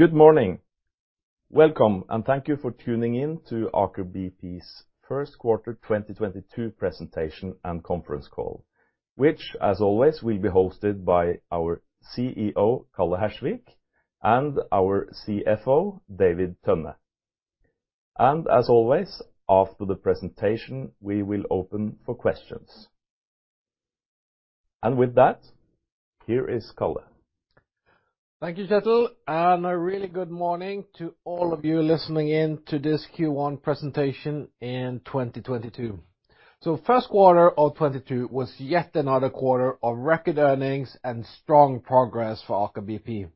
Good morning. Welcome and thank you for tuning in to Aker BP's first quarter 2022 presentation and conference call, which, as always, will be hosted by our CEO, Karl Johnny Hersvik, and our CFO, David Tønne. As always, after the presentation, we will open for questions. With that, here is Karl. Thank you, Kjetil, and a really good morning to all of you listening in to this Q1 presentation in 2022. First quarter of 2022 was yet another quarter of record earnings and strong progress for Aker BP.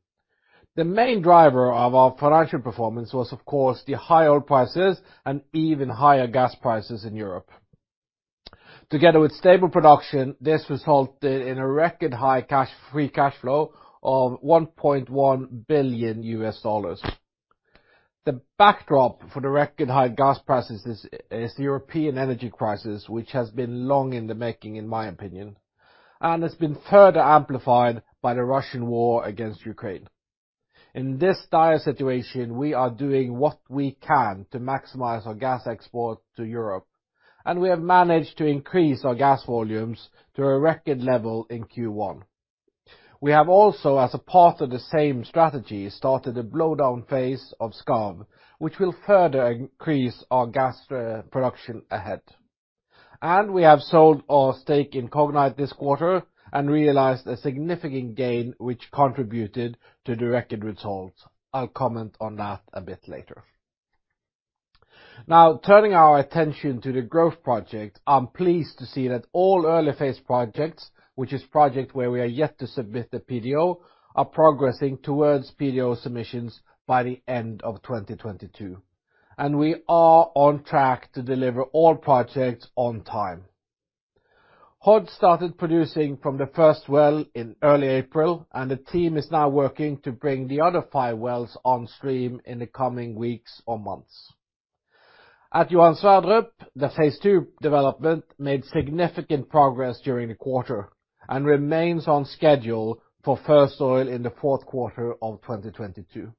The main driver of our financial performance was, of course, the high oil prices and even higher gas prices in Europe. Together with stable production, this resulted in a record high free cash flow of $1.1 billion. The backdrop for the record high gas prices is the European energy crisis, which has been long in the making, in my opinion, and has been further amplified by the Russian war against Ukraine. In this dire situation, we are doing what we can to maximize our gas export to Europe, and we have managed to increase our gas volumes to a record level in Q1. We have also, as a part of the same strategy, started a blowdown phase of Skarv, which will further increase our gas production ahead. We have sold our stake in Cognite this quarter and realized a significant gain which contributed to the record results. I'll comment on that a bit later. Now turning our attention to the growth project, I'm pleased to see that all early phase projects, which is project where we are yet to submit the PDO, are progressing towards PDO submissions by the end of 2022, and we are on track to deliver all projects on time. Hod started producing from the first well in early April, and the team is now working to bring the other five wells on stream in the coming weeks or months. At Johan Sverdrup, the phase two development made significant progress during the quarter and remains on schedule for first oil in the fourth quarter of 2022.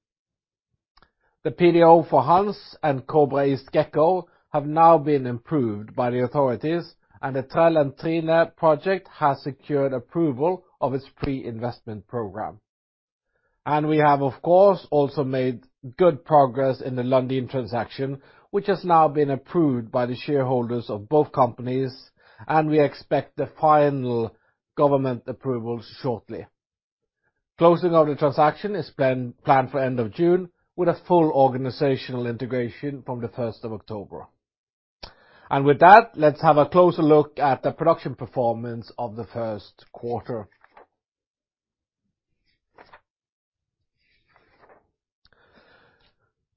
The PDO for Hanz and Kobra East Gekko have now been approved by the authorities, and the Trell and Trine project has secured approval of its pre-investment program. We have, of course, also made good progress in the Lundin transaction, which has now been approved by the shareholders of both companies, and we expect the final government approval shortly. Closing of the transaction is planned for end of June, with a full organizational integration from the first of October. With that, let's have a closer look at the production performance of the first quarter.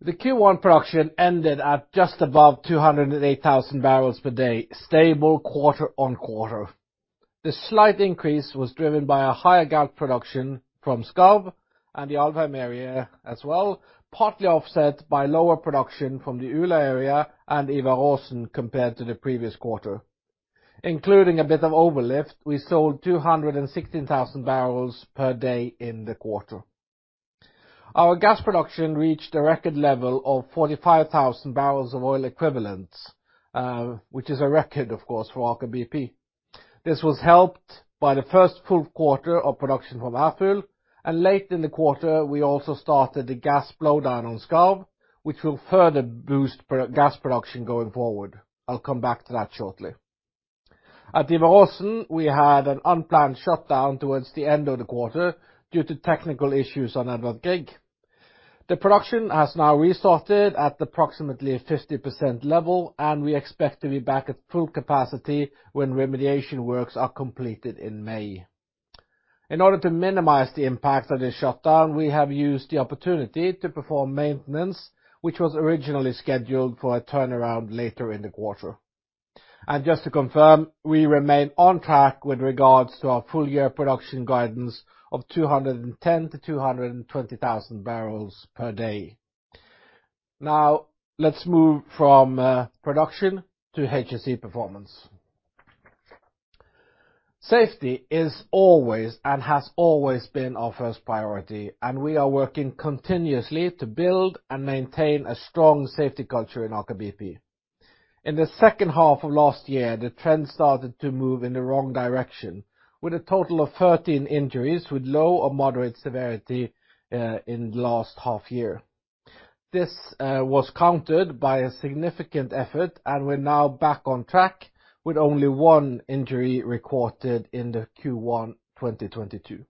The Q1 production ended at just above 208,000 barrels per day, stable quarter-on-quarter. The slight increase was driven by higher oil production from Skarv and the Alvheim area as well, partly offset by lower production from the Ula area and Ivar Aasen compared to the previous quarter. Including a bit of overlift, we sold 216,000 barrels per day in the quarter. Our gas production reached a record level of 45,000 barrels of oil equivalents, which is a record, of course, for Aker BP. This was helped by the first full quarter of production from Ærfugl. Late in the quarter, we also started the gas blowdown on Skarv, which will further boost gas production going forward. I'll come back to that shortly. At Ivar Aasen, we had an unplanned shutdown towards the end of the quarter due to technical issues on Edvard Grieg. The production has now restarted at approximately a 50% level, and we expect to be back at full capacity when remediation works are completed in May. In order to minimize the impact of this shutdown, we have used the opportunity to perform maintenance, which was originally scheduled for a turnaround later in the quarter. Just to confirm, we remain on track with regards to our full-year production guidance of 210,000-220,000 barrels per day. Now let's move from production to HSE performance. Safety is always and has always been our first priority, and we are working continuously to build and maintain a strong safety culture in Aker BP. In the second half of last year, the trend started to move in the wrong direction with a total of 13 injuries with low or moderate severity in the last half year. This was countered by a significant effort, and we're now back on track with only one injury recorded in the Q1 2022.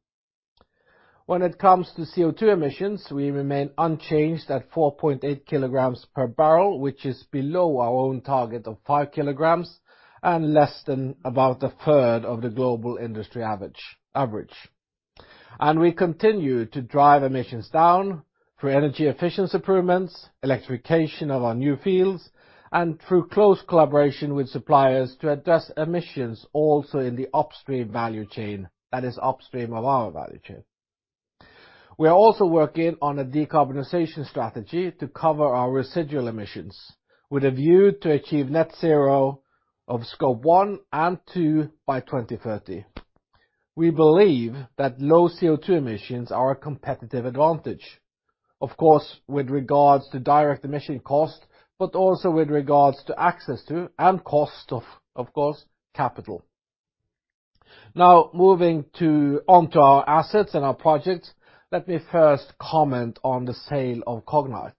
When it comes to CO2 emissions, we remain unchanged at 4.8 kilograms per barrel, which is below our own target of 5 kilograms and less than about a third of the global industry average. We continue to drive emissions down through energy efficiency improvements, electrification of our new fields, and through close collaboration with suppliers to address emissions also in the upstream value chain, that is upstream of our value chain. We are also working on a decarbonization strategy to cover our residual emissions with a view to achieve net zero of scope one and two by 2030. We believe that low CO2 emissions are a competitive advantage, of course, with regards to direct emission cost, but also with regards to access to and cost of course, capital. Now, moving onto our assets and our projects, let me first comment on the sale of Cognite.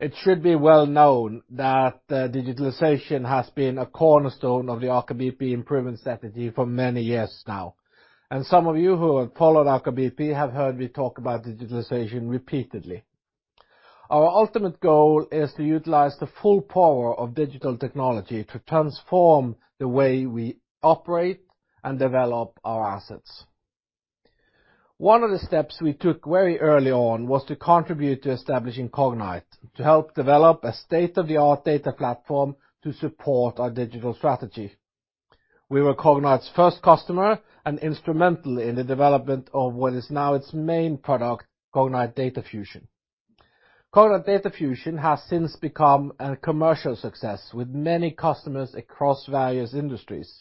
It should be well known that the digitalization has been a cornerstone of the Aker BP improvement strategy for many years now. Some of you who have followed Aker BP have heard me talk about digitalization repeatedly. Our ultimate goal is to utilize the full power of digital technology to transform the way we operate and develop our assets. One of the steps we took very early on was to contribute to establishing Cognite, to help develop a state-of-the-art data platform to support our digital strategy. We were Cognite's first customer and instrumental in the development of what is now its main product, Cognite Data Fusion. Cognite Data Fusion has since become a commercial success with many customers across various industries,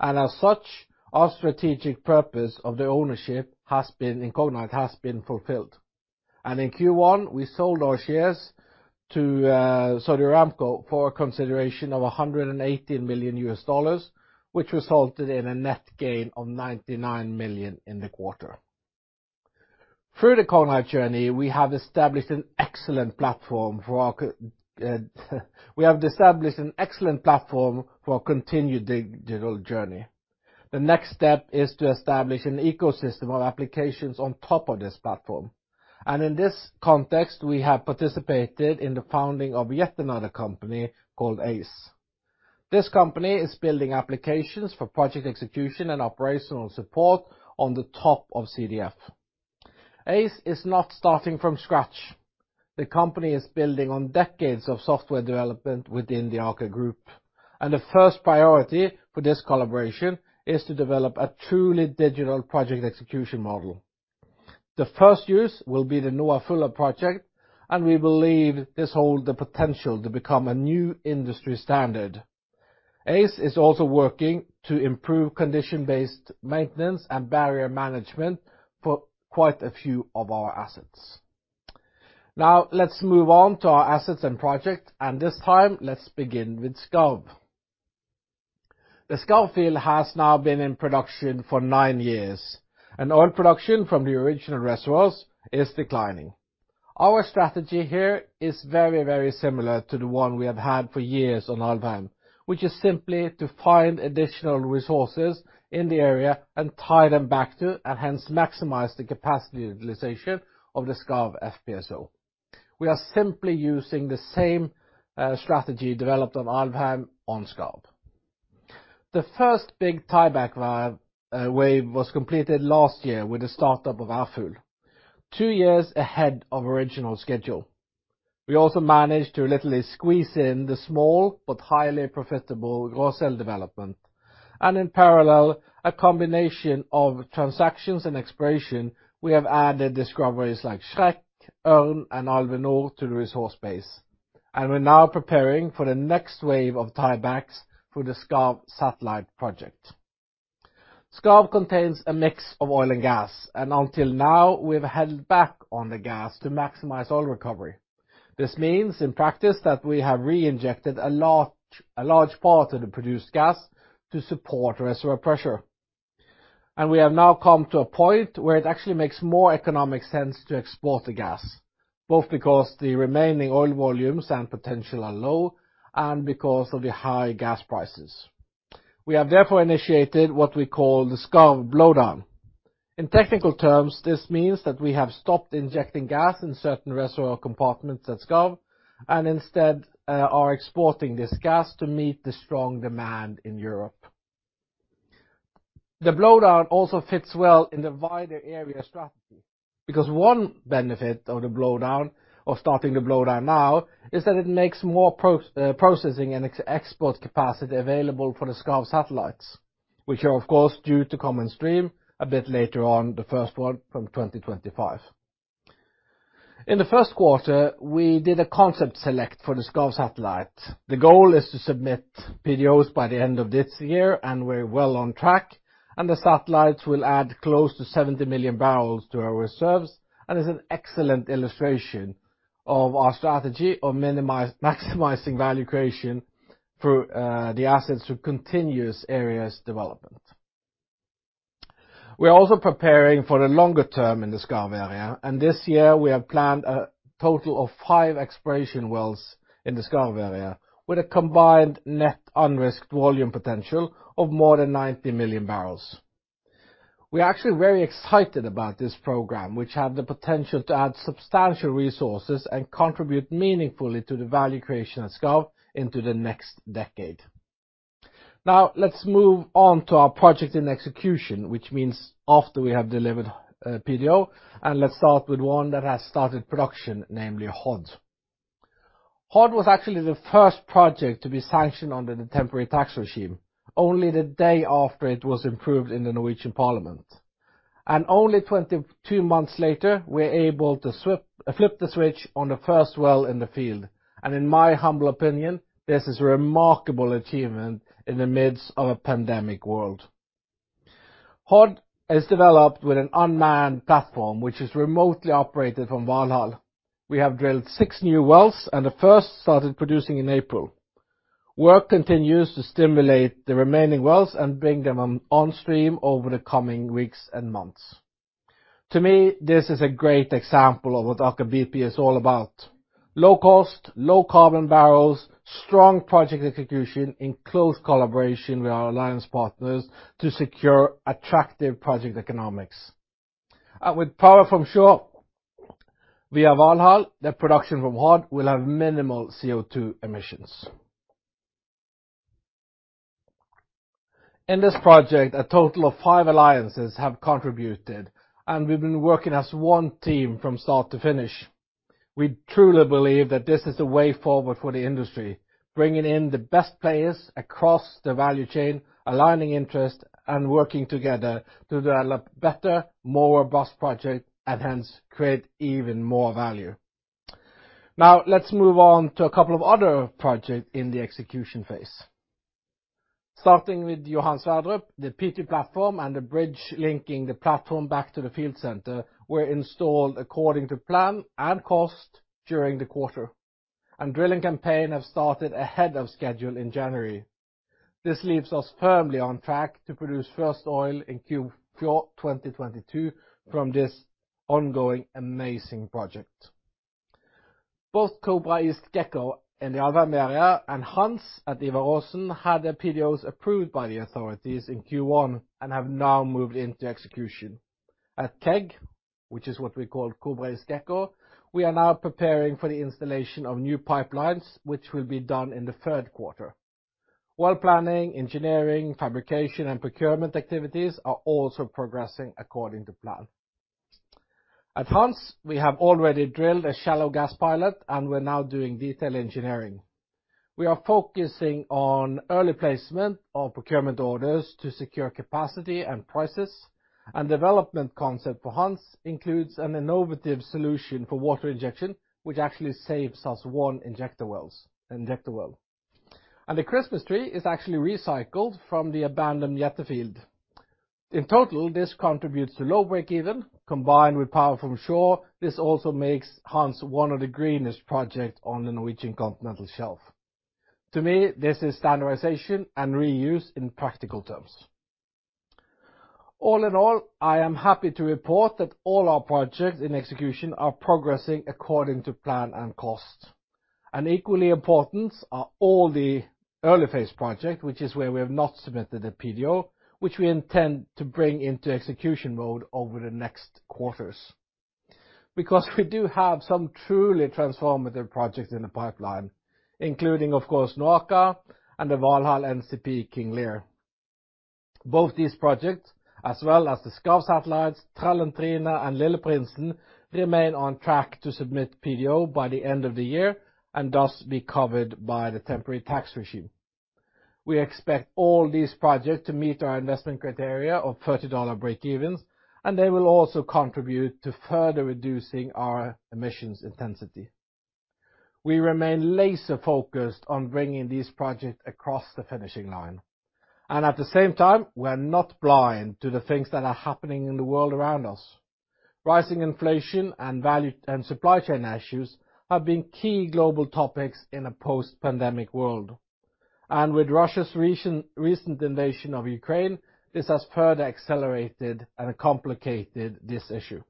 and as such, our strategic purpose of the ownership in Cognite has been fulfilled. In Q1, we sold our shares to Saudi Aramco for a consideration of $118 million, which resulted in a net gain of $99 million in the quarter. Through the Cognite journey, we have established an excellent platform for our continued digital journey. The next step is to establish an ecosystem of applications on top of this platform. In this context, we have participated in the founding of yet another company called Aize. This company is building applications for project execution and operational support on top of CDF. Aize is not starting from scratch. The company is building on decades of software development within the Aker group, and the first priority for this collaboration is to develop a truly digital project execution model. The first use will be the NOA Fulla project, and we believe this holds the potential to become a new industry standard. Aize is also working to improve condition-based maintenance and barrier management for quite a few of our assets. Now let's move on to our assets and project. This time, let's begin with Skarv. The Skarv field has now been in production for nine years, and oil production from the original reservoirs is declining. Our strategy here is very, very similar to the one we have had for years on Alvheim, which is simply to find additional resources in the area and tie them back to, and hence maximize the capacity utilization of the Skarv FPSO. We are simply using the same strategy developed on Alvheim on Skarv. The first big tieback wave was completed last year with the startup of Ærfugl, two years ahead of original schedule. We also managed to literally squeeze in the small but highly profitable Grosbeak development. In parallel, a combination of transactions and exploration, we have added discoveries like Shrek, Örn, and Alve Nord to the resource base. We're now preparing for the next wave of tiebacks through the Skarv Satellite Project. Skarv contains a mix of oil and gas, and until now, we've held back on the gas to maximize oil recovery. This means, in practice, that we have reinjected a large part of the produced gas to support reservoir pressure. We have now come to a point where it actually makes more economic sense to export the gas, both because the remaining oil volumes and potential are low and because of the high gas prices. We have therefore initiated what we call the Skarv blowdown. In technical terms, this means that we have stopped injecting gas in certain reservoir compartments at Skarv and instead are exporting this gas to meet the strong demand in Europe. The blowdown also fits well in the wider area strategy, because one benefit of the blowdown, of starting the blowdown now, is that it makes more processing and export capacity available for the Skarv satellites, which are of course due to come on stream a bit later on, the first one from 2025. In the first quarter, we did a concept select for the Skarv satellite. The goal is to submit PDOs by the end of this year, and we're well on track. The satellites will add close to 70 million barrels to our reserves and is an excellent illustration of our strategy of maximizing value creation through the assets through continuous areas development. We are also preparing for the longer term in the Skarv area, and this year we have planned a total of 5 exploration wells in the Skarv area with a combined net unrisked volume potential of more than 90 million barrels. We are actually very excited about this program, which have the potential to add substantial resources and contribute meaningfully to the value creation at Skarv into the next decade. Now let's move on to our project in execution, which means after we have delivered PDO. Let's start with one that has started production, namely Hod. Hod was actually the first project to be sanctioned under the temporary tax regime only the day after it was approved in the Norwegian parliament. Only 22 months later, we're able to flip the switch on the first well in the field. In my humble opinion, this is remarkable achievement in the midst of a pandemic world. Hod is developed with an unmanned platform, which is remotely operated from Valhall. We have drilled six new wells, and the first started producing in April. Work continues to stimulate the remaining wells and bring them on stream over the coming weeks and months. To me, this is a great example of what Aker BP is all about. Low cost, low carbon barrels, strong project execution in close collaboration with our alliance partners to secure attractive project economics. With power from shore via Valhall, the production from Hod will have minimal CO2 emissions. In this project, a total of five alliances have contributed, and we've been working as one team from start to finish. We truly believe that this is the way forward for the industry, bringing in the best players across the value chain, aligning interests, and working together to develop better, more robust projects and hence create even more value. Now let's move on to a couple of other projects in the execution phase. Starting with Johan Sverdrup, the PT platform and the bridge linking the platform back to the field center were installed according to plan and cost during the quarter, and drilling campaigns have started ahead of schedule in January. This leaves us firmly on track to produce first oil in Q4 2022 from this ongoing amazing project. Both Kobra East Gekko in the Alvheim area and Hanz at Ivar Aasen had their PDOs approved by the authorities in Q1 and have now moved into execution. At KEG, which is what we call Kobra East Gekko, we are now preparing for the installation of new pipelines, which will be done in the third quarter. Well planning, engineering, fabrication, and procurement activities are also progressing according to plan. At Hanz, we have already drilled a shallow gas pilot, and we're now doing detailed engineering. We are focusing on early placement of procurement orders to secure capacity and prices. Development concept for Hanz includes an innovative solution for water injection, which actually saves us one injector well. The Christmas tree is actually recycled from the abandoned Jette field. In total, this contributes to low breakeven. Combined with power from shore, this also makes Hanz one of the greenest project on the Norwegian continental shelf. To me, this is standardization and reuse in practical terms. All in all, I am happy to report that all our projects in execution are progressing according to plan and cost. Equally important are all the early phase project, which is where we have not submitted a PDO, which we intend to bring into execution mode over the next quarters. We do have some truly transformative projects in the pipeline, including, of course, NOAKA and the Valhall NCP King Lear. Both these projects, as well as the Skarv Satellites, Trell and Trine, and Lille Prinsen, remain on track to submit PDO by the end of the year and thus be covered by the temporary tax regime. We expect all these projects to meet our investment criteria of $30 breakevens, and they will also contribute to further reducing our emissions intensity. We remain laser focused on bringing these projects across the finishing line. At the same time, we're not blind to the things that are happening in the world around us. Rising inflation and value and supply chain issues have been key global topics in a post-pandemic world. With Russia's recent invasion of Ukraine, this has further accelerated and complicated this issue.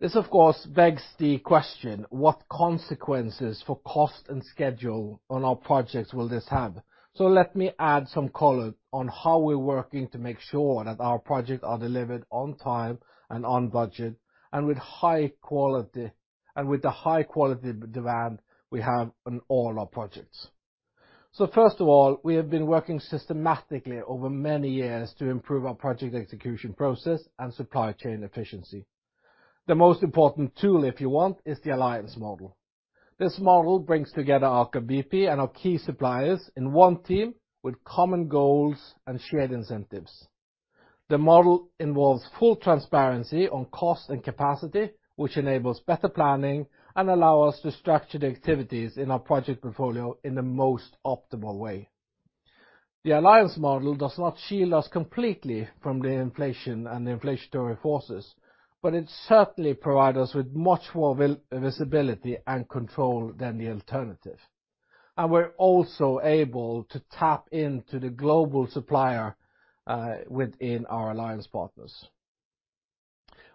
This, of course, begs the question, what consequences for cost and schedule on our projects will this have? Let me add some color on how we're working to make sure that our projects are delivered on time and on budget and with high quality, and with the high quality demand we have on all our projects. First of all, we have been working systematically over many years to improve our project execution process and supply chain efficiency. The most important tool, if you want, is the alliance model. This model brings together Aker BP and our key suppliers in one team with common goals and shared incentives. The model involves full transparency on cost and capacity, which enables better planning and allow us to structure the activities in our project portfolio in the most optimal way. The alliance model does not shield us completely from the inflation and the inflationary forces, but it certainly provide us with much more visibility and control than the alternative. We're also able to tap into the global supplier within our alliance partners.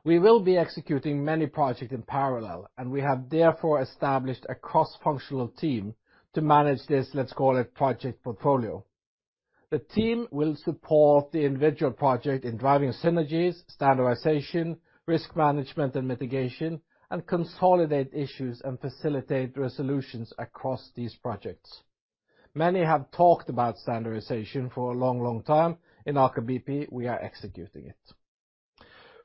We will be executing many project in parallel, and we have therefore established a cross-functional team to manage this, let's call it project portfolio. The team will support the individual project in driving synergies, standardization, risk management and mitigation, and consolidate issues and facilitate resolutions across these projects. Many have talked about standardization for a long, long time. In Aker BP, we are executing it.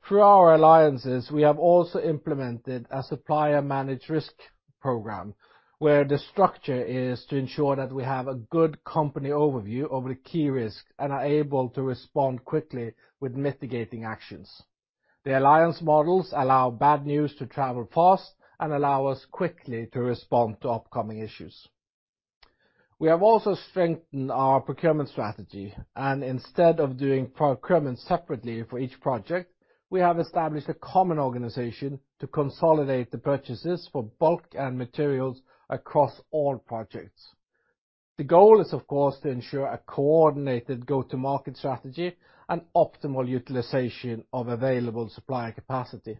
Through our alliances, we have also implemented a supplier managed risk program where the structure is to ensure that we have a good company overview of the key risks and are able to respond quickly with mitigating actions. The alliance models allow bad news to travel fast and allow us quickly to respond to upcoming issues. We have also strengthened our procurement strategy, and instead of doing procurement separately for each project, we have established a common organization to consolidate the purchases for bulk and materials across all projects. The goal is, of course, to ensure a coordinated go-to-market strategy and optimal utilization of available supplier capacity.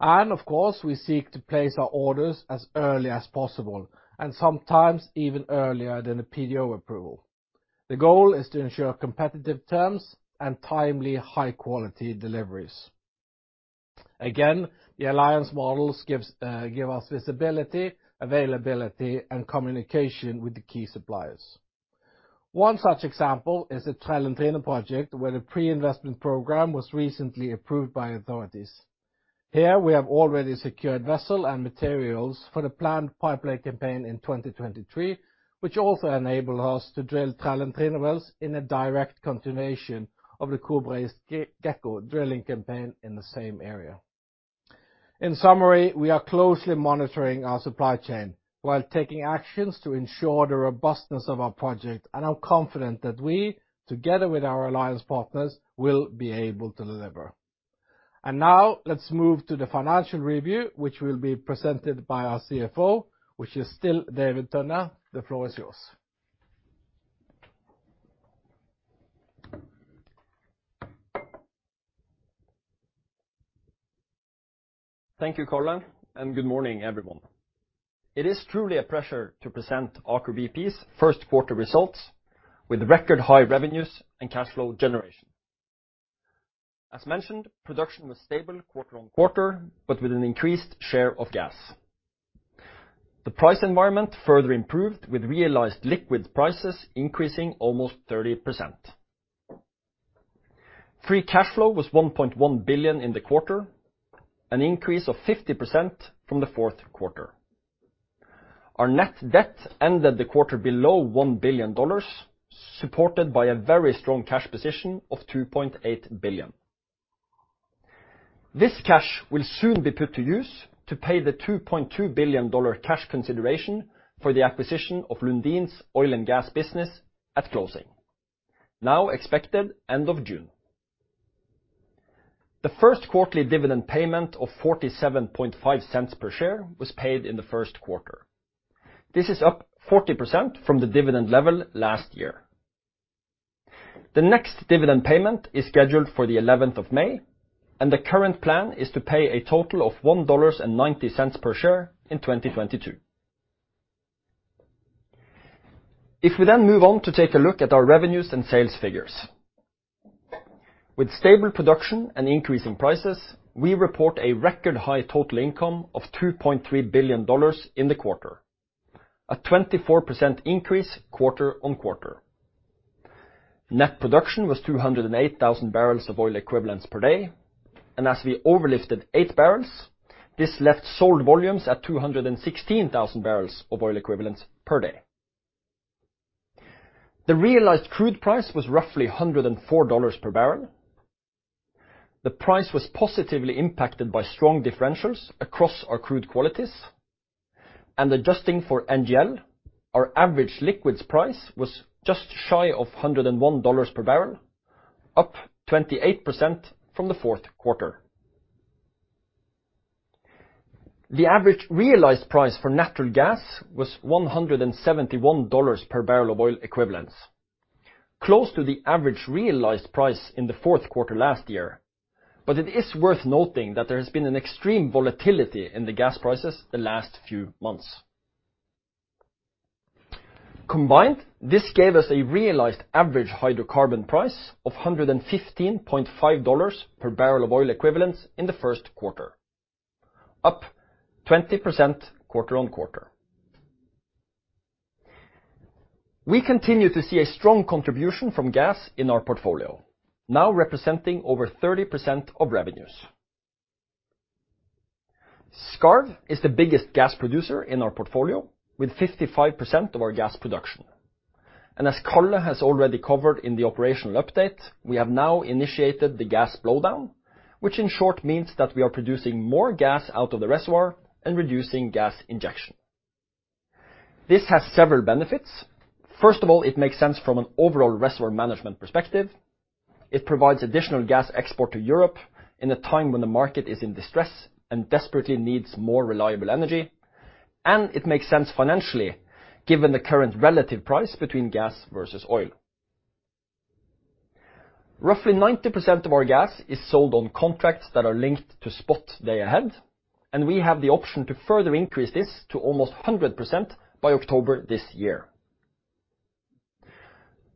Of course, we seek to place our orders as early as possible, and sometimes even earlier than a PDO approval. The goal is to ensure competitive terms and timely high-quality deliveries. Again, the alliance models give us visibility, availability, and communication with the key suppliers. One such example is the Trell and Trine project where the pre-investment program was recently approved by authorities. Here, we have already secured vessel and materials for the planned pipeline campaign in 2023, which also enable us to drill Trell and Trine wells in a direct continuation of the Kobra East and Gekko drilling campaign in the same area. In summary, we are closely monitoring our supply chain while taking actions to ensure the robustness of our project, and I'm confident that we, together with our alliance partners, will be able to deliver. Now let's move to the financial review, which will be presented by our CFO, which is still David Tønne. The floor is yours. Thank you, Karl, and good morning, everyone. It is truly a pleasure to present Aker BP's first quarter results with record high revenues and cash flow generation. As mentioned, production was stable quarter-over-quarter, but with an increased share of gas. The price environment further improved with realized liquid prices increasing almost 30%. Free cash flow was $1.1 billion in the quarter, an increase of 50% from the fourth quarter. Our net debt ended the quarter below $1 billion, supported by a very strong cash position of $2.8 billion. This cash will soon be put to use to pay the $2.2 billion cash consideration for the acquisition of Lundin's oil and gas business at closing, now expected end of June. The first quarterly dividend payment of $0.475 per share was paid in the first quarter. This is up 40% from the dividend level last year. The next dividend payment is scheduled for the eleventh of May, and the current plan is to pay a total of $1.90 per share in 2022. If we then move on to take a look at our revenues and sales figures. With stable production and increasing prices, we report a record high total income of $2.3 billion in the quarter, a 24% increase quarter-on-quarter. Net production was 208,000 barrels of oil equivalents per day, and as we overlifted 8,000 barrels, this left sold volumes at 216,000 barrels of oil equivalents per day. The realized crude price was roughly $104 per barrel. The price was positively impacted by strong differentials across our crude qualities. Adjusting for NGL, our average liquids price was just shy of $101 per barrel, up 28% from the fourth quarter. The average realized price for natural gas was $171 per barrel of oil equivalents. Close to the average realized price in the fourth quarter last year, but it is worth noting that there has been an extreme volatility in the gas prices the last few months. Combined, this gave us a realized average hydrocarbon price of $115.5 per barrel of oil equivalents in the first quarter, up 20% quarter-on-quarter. We continue to see a strong contribution from gas in our portfolio, now representing over 30% of revenues. Skarv is the biggest gas producer in our portfolio with 55% of our gas production. As Karl has already covered in the operational update, we have now initiated the gas blowdown, which in short means that we are producing more gas out of the reservoir and reducing gas injection. This has several benefits. First of all, it makes sense from an overall reservoir management perspective. It provides additional gas export to Europe in a time when the market is in distress and desperately needs more reliable energy. It makes sense financially given the current relative price between gas versus oil. Roughly 90% of our gas is sold on contracts that are linked to spot day ahead, and we have the option to further increase this to almost 100% by October this year.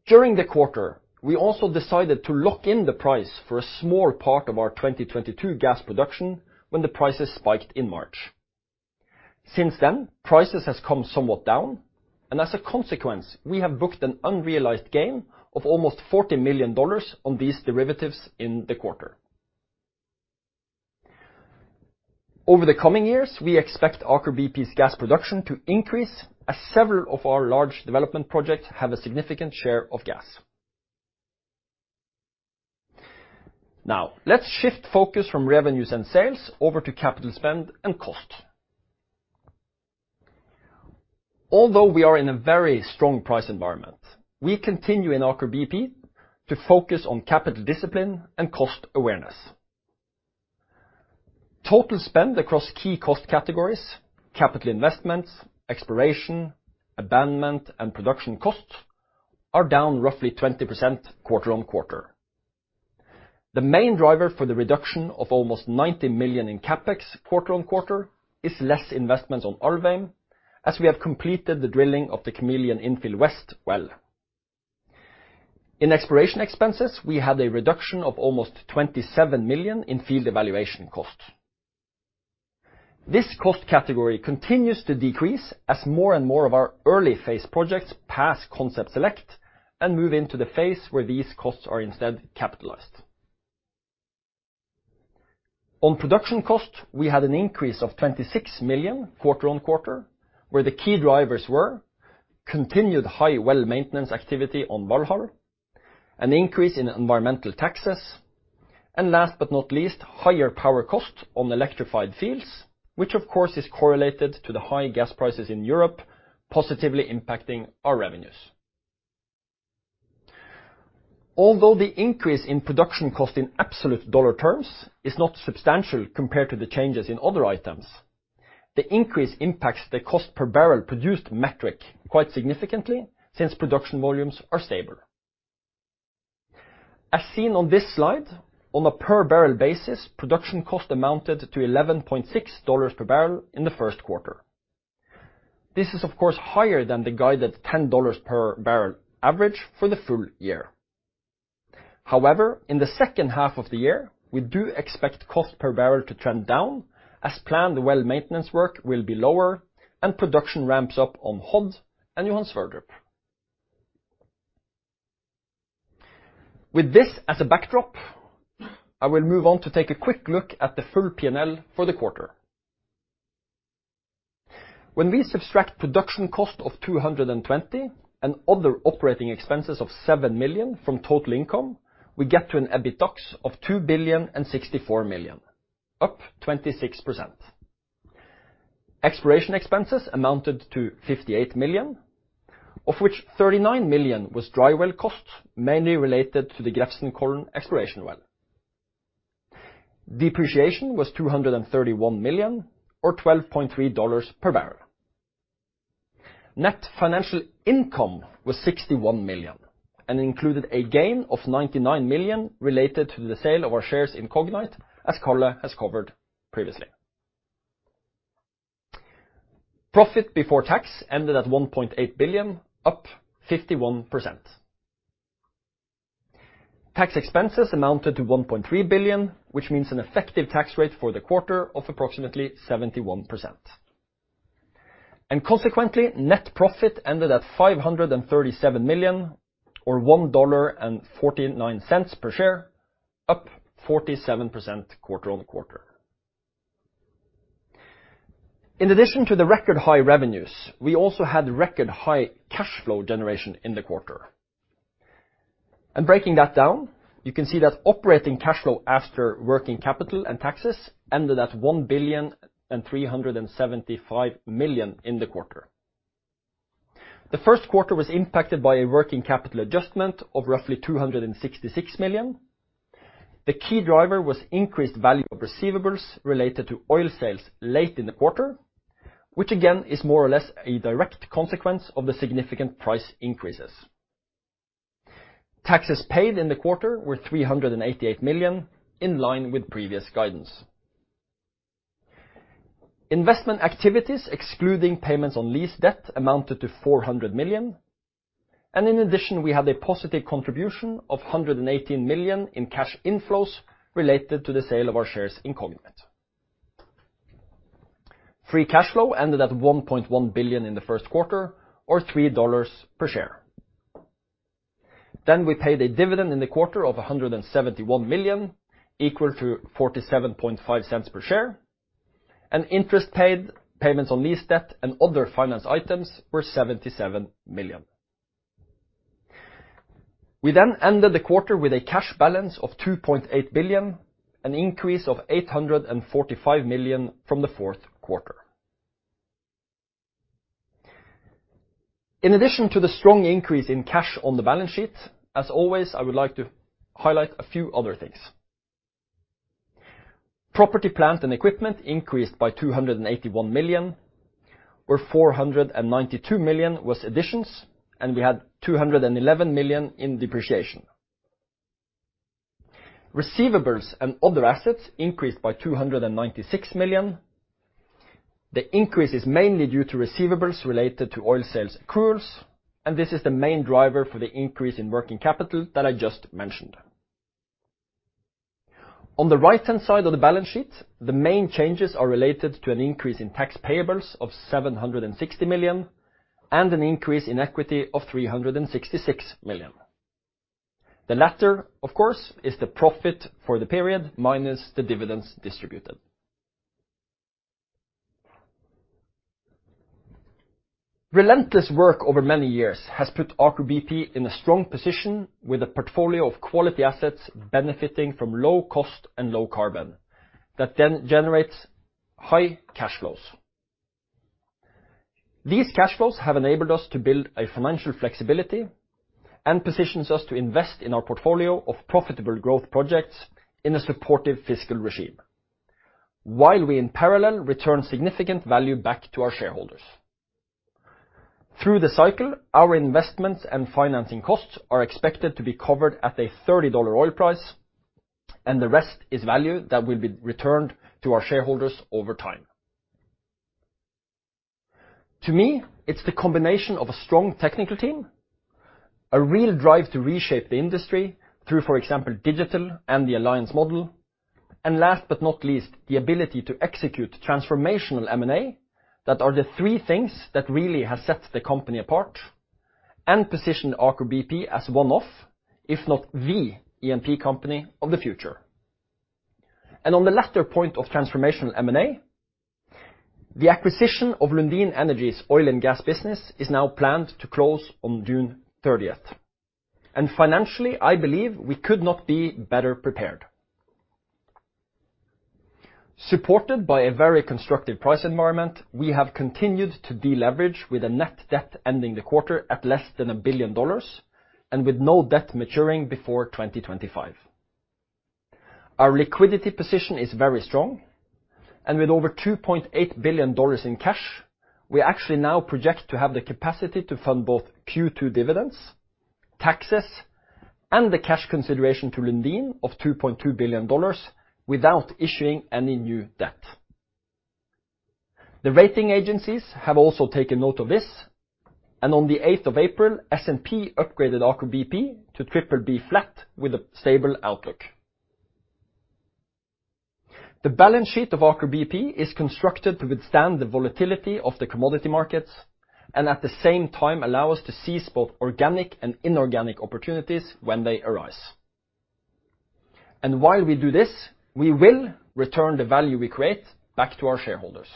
During the quarter, we also decided to lock in the price for a small part of our 2022 gas production when the prices spiked in March. Since then, prices has come somewhat down, and as a consequence, we have booked an unrealized gain of almost $40 million on these derivatives in the quarter. Over the coming years, we expect Aker BP's gas production to increase as several of our large development projects have a significant share of gas. Now, let's shift focus from revenues and sales over to capital spend and cost. Although we are in a very strong price environment, we continue in Aker BP to focus on capital discipline and cost awareness. Total spend across key cost categories, capital investments, exploration, abandonment, and production costs are down roughly 20% quarter-over-quarter. The main driver for the reduction of almost $90 million in CapEx quarter-on-quarter is less investments on Alvheim, as we have completed the drilling of the Kameleon Infill West well. In exploration expenses, we had a reduction of almost $27 million in field evaluation costs. This cost category continues to decrease as more and more of our early-phase projects pass concept select and move into the phase where these costs are instead capitalized. On production cost, we had an increase of $26 million quarter-on-quarter, where the key drivers were continued high well maintenance activity on Valhall, an increase in environmental taxes, and last but not least, higher power cost on electrified fields, which of course is correlated to the high gas prices in Europe, positively impacting our revenues. Although the increase in production cost in absolute dollar terms is not substantial compared to the changes in other items, the increase impacts the cost per barrel produced metric quite significantly since production volumes are stable. As seen on this slide, on a per barrel basis, production cost amounted to $11.6 per barrel in the first quarter. This is, of course, higher than the guided $10 per barrel average for the full year. However, in the second half of the year, we do expect cost per barrel to trend down as planned well maintenance work will be lower and production ramps up on Hod and Johan Sverdrup. With this as a backdrop, I will move on to take a quick look at the full P&L for the quarter. When we subtract production cost of $220 million and other operating expenses of $7 million from total income, we get to an EBITDA of $2,064 million, up 26%. Exploration expenses amounted to $58 million, of which $39 million was dry well costs, mainly related to the Grefsenkollen exploration well. Depreciation was $231 million, or $12.3 per barrel. Net financial income was $61 million and included a gain of $99 million related to the sale of our shares in Cognite, as Karl has covered previously. Profit before tax ended at $1.8 billion, up 51%. Tax expenses amounted to $1.3 billion, which means an effective tax rate for the quarter of approximately 71%. Consequently, net profit ended at $537 million, or $1.49 per share, up 47% quarter-over-quarter. In addition to the record high revenues, we also had record high cash flow generation in the quarter. Breaking that down, you can see that operating cash flow after working capital and taxes ended at $1,375 million in the quarter. The first quarter was impacted by a working capital adjustment of roughly $266 million. The key driver was increased value of receivables related to oil sales late in the quarter, which again, is more or less a direct consequence of the significant price increases. Taxes paid in the quarter were $388 million, in line with previous guidance. Investment activities, excluding payments on lease debt, amounted to $400 million. In addition, we have a positive contribution of $118 million in cash inflows related to the sale of our shares in Cognite. Free cash flow ended at $1.1 billion in the first quarter or $3 per share. We paid a dividend in the quarter of $171 million, equal to $0.475 per share. Interest paid, payments on lease debt and other finance items were $77 million. We ended the quarter with a cash balance of $2.8 billion, an increase of $845 million from the fourth quarter. In addition to the strong increase in cash on the balance sheet, as always, I would like to highlight a few other things. Property, plant, and equipment increased by $281 million, where $492 million was additions, and we had $211 million in depreciation. Receivables and other assets increased by $296 million. The increase is mainly due to receivables related to oil sales accruals, and this is the main driver for the increase in working capital that I just mentioned. On the right-hand side of the balance sheet, the main changes are related to an increase in tax payables of $760 million, and an increase in equity of $366 million. The latter, of course, is the profit for the period minus the dividends distributed. Relentless work over many years has put Aker BP in a strong position with a portfolio of quality assets benefiting from low cost and low carbon that then generates high cash flows. These cash flows have enabled us to build a financial flexibility and positions us to invest in our portfolio of profitable growth projects in a supportive fiscal regime, while we in parallel return significant value back to our shareholders. Through the cycle, our investments and financing costs are expected to be covered at a $30 oil price, and the rest is value that will be returned to our shareholders over time. To me, it's the combination of a strong technical team, a real drive to reshape the industry through, for example, digital and the alliance model, and last but not least, the ability to execute transformational M&A, that are the three things that really have set the company apart and positioned Aker BP as one of, if not the E&P company of the future. On the latter point of transformational M&A, the acquisition of Lundin Energy's oil and gas business is now planned to close on June 30. Financially, I believe we could not be better prepared. Supported by a very constructive price environment, we have continued to deleverage with a net debt ending the quarter at less than $1 billion and with no debt maturing before 2025. Our liquidity position is very strong, and with over $2.8 billion in cash, we actually now project to have the capacity to fund both Q2 dividends, taxes, and the cash consideration to Lundin of $2.2 billion without issuing any new debt. The rating agencies have also taken note of this, and on April 8, S&P upgraded Aker BP to BBB with a stable outlook. The balance sheet of Aker BP is constructed to withstand the volatility of the commodity markets and at the same time allow us to seize both organic and inorganic opportunities when they arise. While we do this, we will return the value we create back to our shareholders.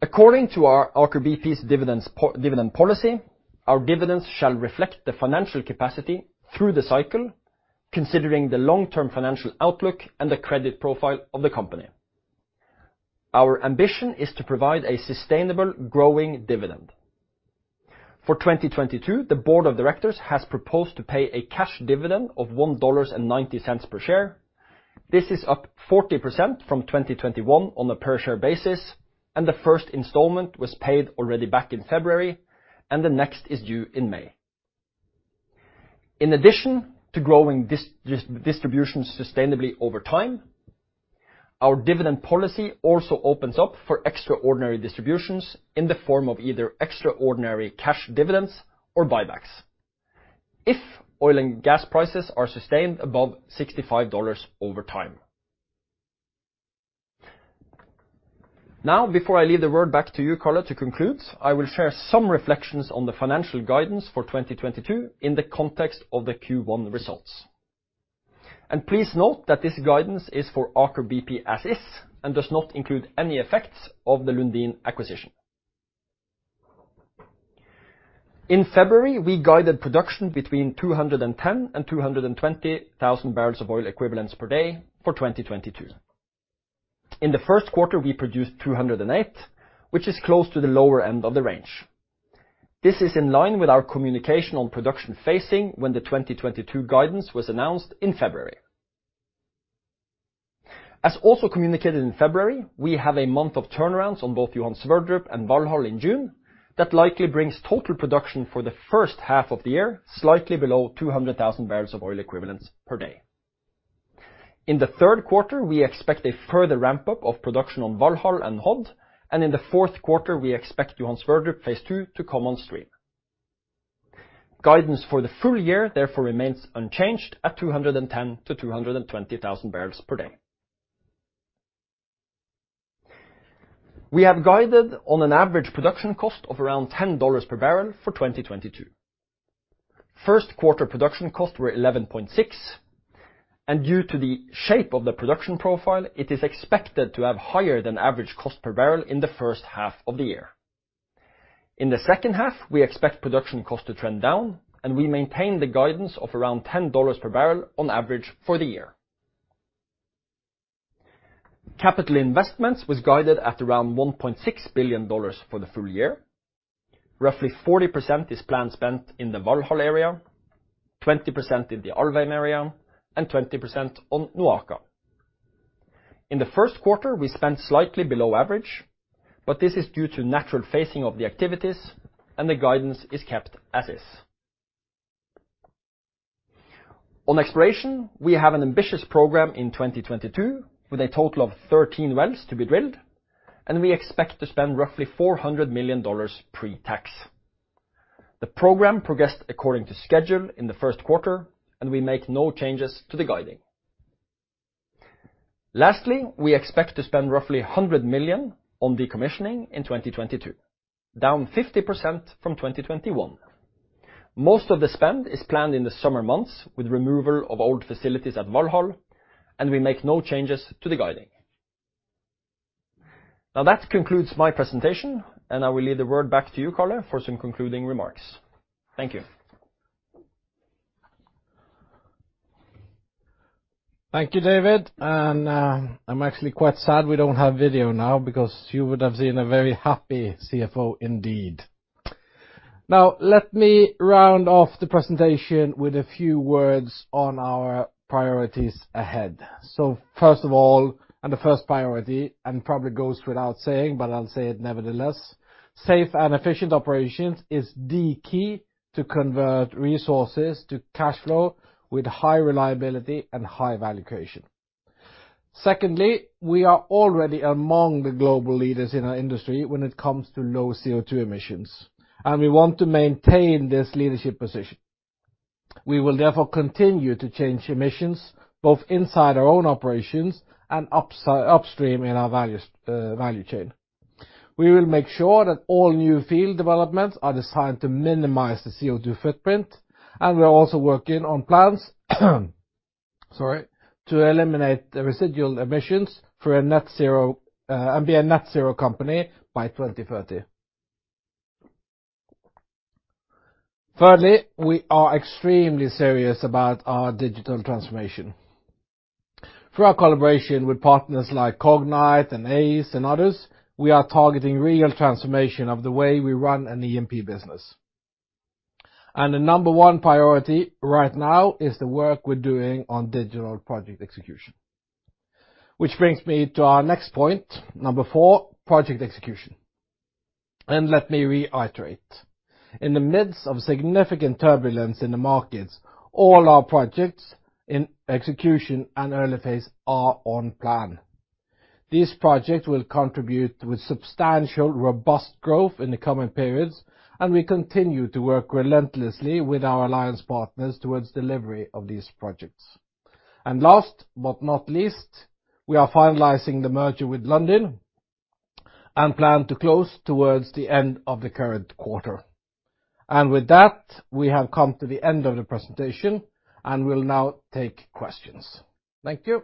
According to our Aker BP's dividend policy, our dividends shall reflect the financial capacity through the cycle, considering the long-term financial outlook and the credit profile of the company. Our ambition is to provide a sustainable growing dividend. For 2022, the board of directors has proposed to pay a cash dividend of $1.90 per share. This is up 40% from 2021 on a per share basis, and the first installment was paid already back in February, and the next is due in May. In addition to growing distribution sustainably over time, our dividend policy also opens up for extraordinary distributions in the form of either extraordinary cash dividends or buybacks if oil and gas prices are sustained above $65 over time. Now, before I leave the word back to you, Karl, to conclude, I will share some reflections on the financial guidance for 2022 in the context of the Q1 results. Please note that this guidance is for Aker BP as is and does not include any effects of the Lundin acquisition. In February, we guided production between 210,000 and 220,000 barrels of oil equivalents per day for 2022. In the first quarter, we produced 208, which is close to the lower end of the range. This is in line with our communication on production phasing when the 2022 guidance was announced in February. As also communicated in February, we have a month of turnarounds on both Johan Sverdrup and Valhall in June that likely brings total production for the first half of the year slightly below 200,000 barrels of oil equivalents per day. In the third quarter, we expect a further ramp-up of production on Valhall and Hod, and in the fourth quarter, we expect Johan Sverdrup Phase 2 to come on stream. Guidance for the full year therefore remains unchanged at 210,000-220,000 barrels per day. We have guided on an average production cost of around $10 per barrel for 2022. First quarter production costs were 11.6, and due to the shape of the production profile, it is expected to have higher than average cost per barrel in the first half of the year. In the second half, we expect production costs to trend down, and we maintain the guidance of around $10 per barrel on average for the year. Capital investments was guided at around $1.6 billion for the full year. Roughly 40% is planned spent in the Valhall area, 20% in the Alvheim area, and 20% on NOAKA. In the first quarter, we spent slightly below average, but this is due to natural phasing of the activities and the guidance is kept as is. On exploration, we have an ambitious program in 2022 with a total of 13 wells to be drilled, and we expect to spend roughly $400 million pre-tax. The program progressed according to schedule in the first quarter, and we make no changes to the guiding. Lastly, we expect to spend roughly $100 million on decommissioning in 2022, down 50% from 2021. Most of the spend is planned in the summer months with removal of old facilities at Valhall, and we make no changes to the guiding. Now, that concludes my presentation, and I will leave the word back to you, Karl, for some concluding remarks. Thank you. Thank you, David. I'm actually quite sad we don't have video now because you would have seen a very happy CFO indeed. Now, let me round off the presentation with a few words on our priorities ahead. First of all, and the first priority, and probably goes without saying, but I'll say it nevertheless. Safe and efficient operations is the key to convert resources to cash flow with high reliability and high valuation. Secondly, we are already among the global leaders in our industry when it comes to low CO2 emissions, and we want to maintain this leadership position. We will therefore continue to change emissions both inside our own operations and upstream in our value chain. We will make sure that all new field developments are designed to minimize the CO2 footprint, and we are also working on plans, sorry, to eliminate the residual emissions through a net zero, and be a net zero company by 2030. Thirdly, we are extremely serious about our digital transformation. Through our collaboration with partners like Cognite and Aize and others, we are targeting real transformation of the way we run an E&P business. The number one priority right now is the work we're doing on digital project execution. Which brings me to our next point, number four, project execution. Let me reiterate. In the midst of significant turbulence in the markets, all our projects in execution and early phase are on plan. These projects will contribute with substantial, robust growth in the coming periods, and we continue to work relentlessly with our alliance partners towards delivery of these projects. Last but not least, we are finalizing the merger with Lundin and plan to close towards the end of the current quarter. With that, we have come to the end of the presentation, and we'll now take questions. Thank you.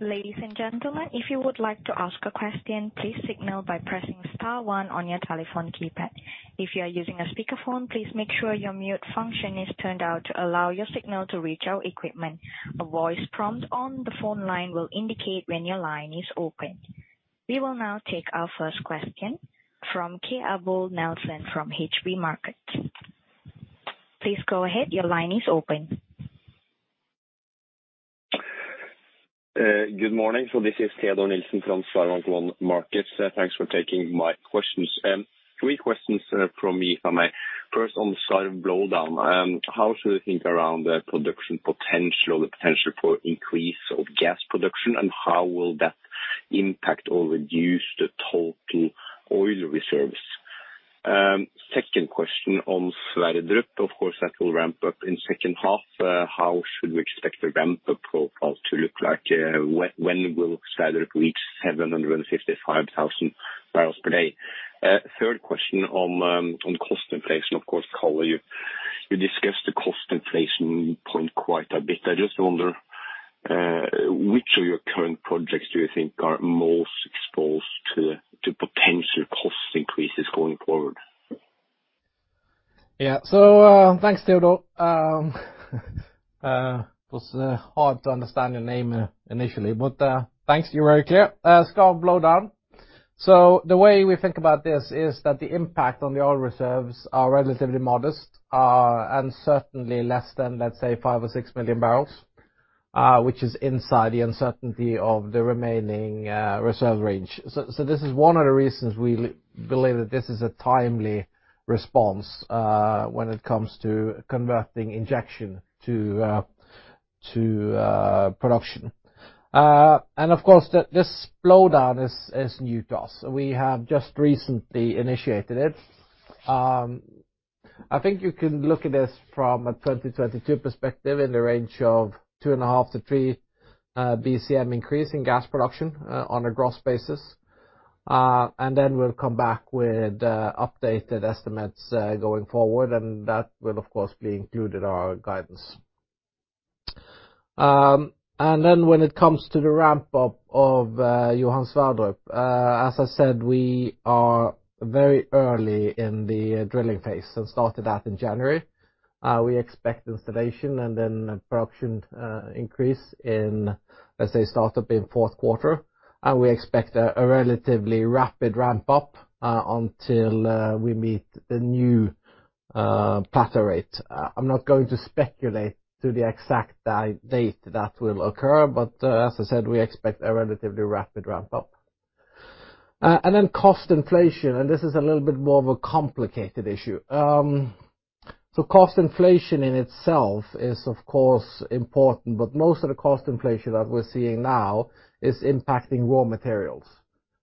Ladies and gentlemen, if you would like to ask a question, please signal by pressing star one on your telephone keypad. If you are using a speakerphone, please make sure your mute function is turned on to allow your signal to reach our equipment. A voice prompt on the phone line will indicate when your line is open. We will now take our first question from. Thanks, Teodor. It was hard to understand your name initially, but thanks. You're very clear. Skarv blowdown. The way we think about this is that the impact on the oil reserves are relatively modest, and certainly less than, let's say, five or six million barrels, which is inside the uncertainty of the remaining reserve range. This is one of the reasons we believe that this is a timely response when it comes to converting injection to production. And of course, this blowdown is new to us. We have just recently initiated it. I think you can look at this from a 2022 perspective in the range of 2.5-3 BCM increase in gas production, on a gross basis. Then we'll come back with updated estimates going forward, and that will, of course, be included our guidance. Then when it comes to the ramp-up of Johan Sverdrup, as I said, we are very early in the drilling phase and started that in January. We expect installation and then production increase in, let's say, start up in fourth quarter. We expect a relatively rapid ramp-up until we meet the new plateau rate. I'm not going to speculate to the exact date that will occur, but, as I said, we expect a relatively rapid ramp-up. Then cost inflation, and this is a little bit more of a complicated issue. Cost inflation in itself is, of course, important, but most of the cost inflation that we're seeing now is impacting raw materials.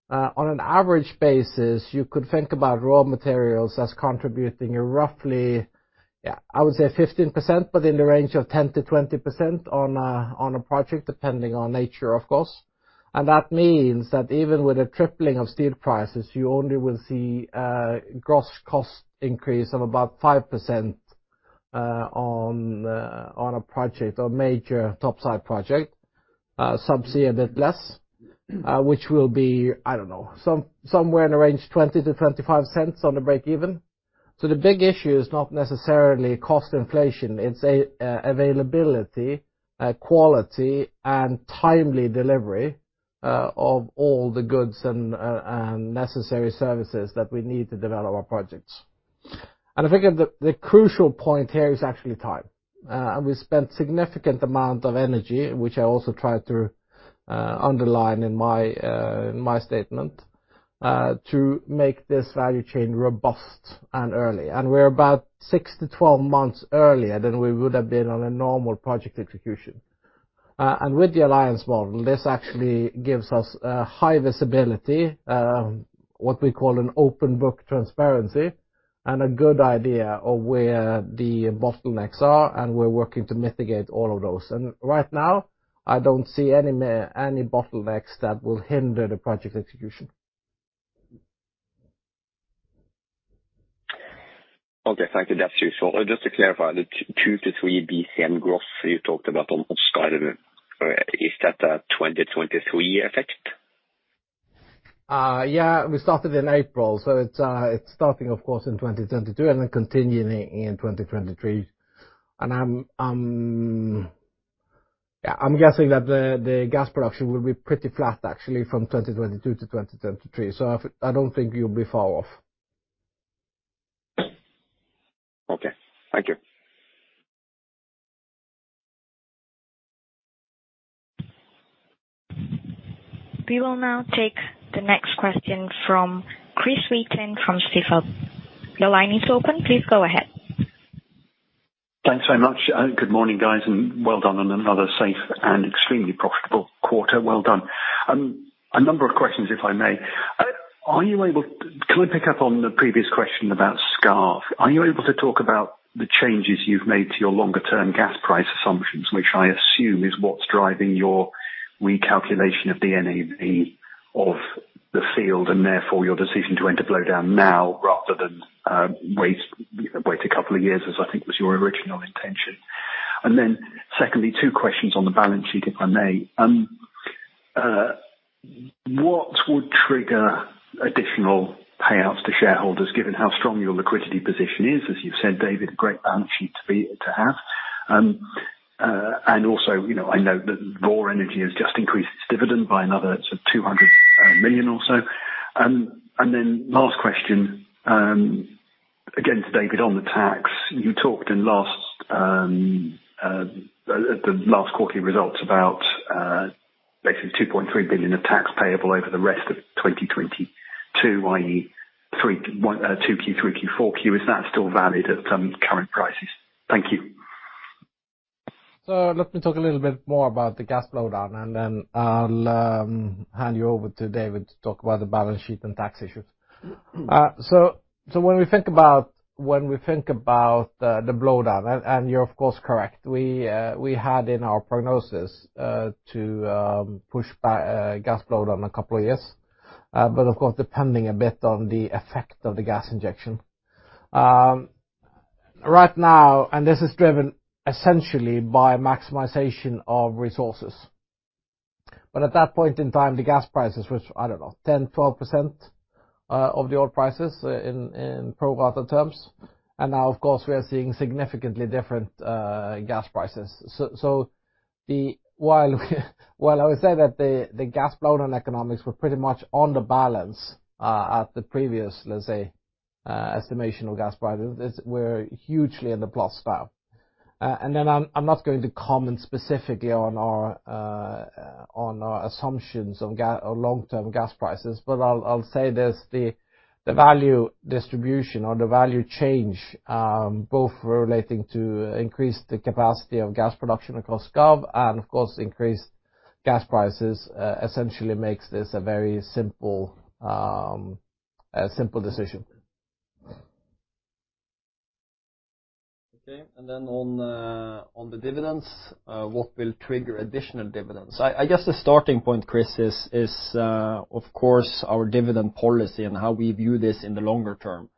On an average basis, you could think about raw materials as contributing roughly. I would say 15%, but in the range of 10%-20% on a project, depending on nature, of course. That means that even with a tripling of steel prices, you only will see a gross cost increase of about 5% on a project or major top-side project. Some see a bit less, which will be, I don't know, somewhere in the range $0.20-$0.25 on the break-even. The big issue is not necessarily cost inflation. It's availability, quality and timely delivery of all the goods and necessary services that we need to develop our projects. I figure the crucial point here is actually time. We spent significant amount of energy, which I also tried to underline in my statement to make this value chain robust and early. We're about 6-12 months earlier than we would have been on a normal project execution. With the alliance model, this actually gives us high visibility, what we call an open book transparency, and a good idea of where the bottlenecks are, and we're working to mitigate all of those. Right now, I don't see any bottlenecks that will hinder the project execution. Okay. Thank you. That's useful. Just to clarify, the 2-3 BCM gross you talked about on Skarv, is that a 2023 effect? We started in April, so it's starting, of course, in 2022 and then continuing in 2023. I'm guessing that the gas production will be pretty flat actually from 2022 to 2023, so I don't think you'll be far off. Okay. Thank you. We will now take the next question from Chris Wheaton from Stifel. Your line is open. Please go ahead. Thanks so much. Good morning, guys, and well done on another safe and extremely profitable quarter. Well done. A number of questions, if I may. Can we pick up on the previous question about Skarv? Are you able to talk about the changes you've made to your longer-term gas price assumptions, which I assume is what's driving your recalculation of the NAV of the field, and therefore your decision to enter blowdown now rather than wait a couple of years, as I think was your original intention? Secondly, two questions on the balance sheet, if I may. What would trigger additional payouts to shareholders given how strong your liquidity position is? As you've said, David, great balance sheet to have. Also, you know, I know that Vår Energi has just increased its dividend by another $200 million or so. Last question, again to David on the tax. You talked at the last quarterly results about basically $2.3 billion of tax payable over the rest of 2022, i.e., 2Q, 3Q, 4Q. Is that still valid at current prices? Thank you. Let me talk a little bit more about the gas blowdown, and then I'll hand you over to David to talk about the balance sheet and tax issues. When we think about the blowdown, and you're of course correct, we had in our prognosis to push back gas blowdown a couple of years, but of course, depending a bit on the effect of the gas injection. Right now, this is driven essentially by maximization of resources. At that point in time, the gas prices was, I don't know, 10%-12% of the oil prices in pro rata terms. Now, of course, we are seeing significantly different gas prices. While I would say that the gas blowdown economics were pretty much on balance at the previous, let's say, estimation of gas prices, we're hugely in the plus now. I'm not going to comment specifically on our assumptions on long-term gas prices, but I'll say this, the value distribution or the value change both relating to increase the capacity of gas production across Skarv and of course, increased gas prices, essentially makes this a very simple decision. Okay. On the dividends, what will trigger additional dividends? I guess the starting point, Chris, is of course our dividend policy and how we view this in the longer term.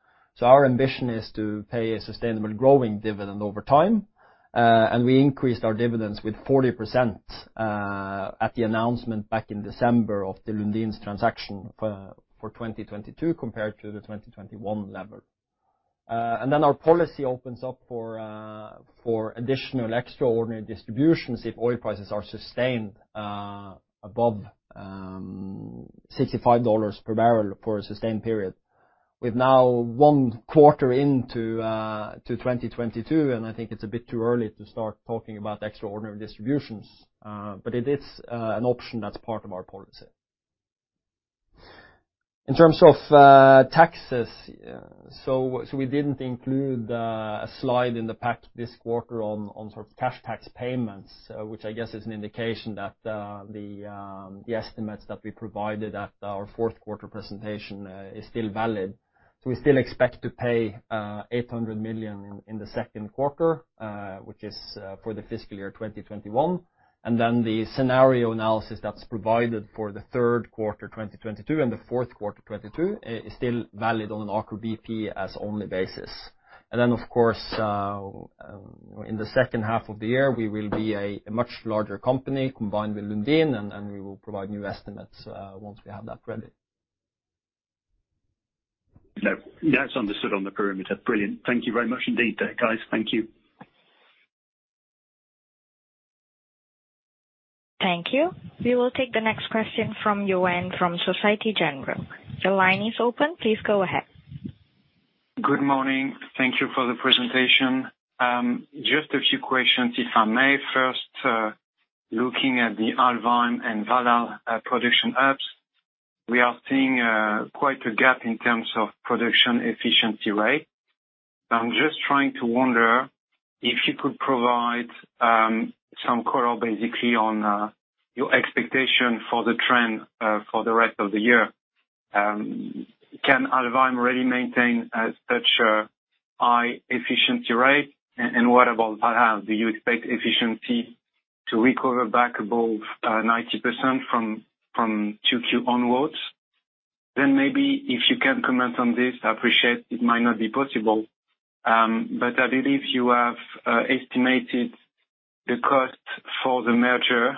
Our ambition is to pay a sustainable growing dividend over time, and we increased our dividends with 40% at the announcement back in December of the Lundin's transaction for 2022 compared to the 2021 level. Our policy opens up for additional extraordinary distributions if oil prices are sustained above $65 per barrel for a sustained period. We've now one quarter into 2022, and I think it's a bit too early to start talking about extraordinary distributions. But it is an option that's part of our policy. In terms of taxes, we didn't include a slide in the pack this quarter on sort of cash tax payments, which I guess is an indication that the estimates that we provided at our fourth quarter presentation is still valid. We still expect to pay $800 million in the second quarter, which is for the fiscal year 2021. The scenario analysis that's provided for the third quarter 2022 and the fourth quarter 2022 is still valid on an Aker BP standalone basis. In the second half of the year, we will be a much larger company combined with Lundin, and we will provide new estimates once we have that ready. No. That's understood on the parameters. Brilliant. Thank you very much indeed there, guys. Thank you. Thank you. We will take the next question from Yoann from Société Générale. Your line is open. Please go ahead. Good morning. Thank you for the presentation. Just a few questions, if I may. First, looking at the Alvheim and Valhall production ops, we are seeing quite a gap in terms of production efficiency rate. I'm just wondering if you could provide some color basically on your expectation for the trend for the rest of the year. Can Alvheim really maintain such a high efficiency rate? And what about Valhall? Do you expect efficiency to recover back above 90% from 2Q onward? Maybe if you can comment on this, I appreciate it might not be possible. But I believe you have estimated the cost for the merger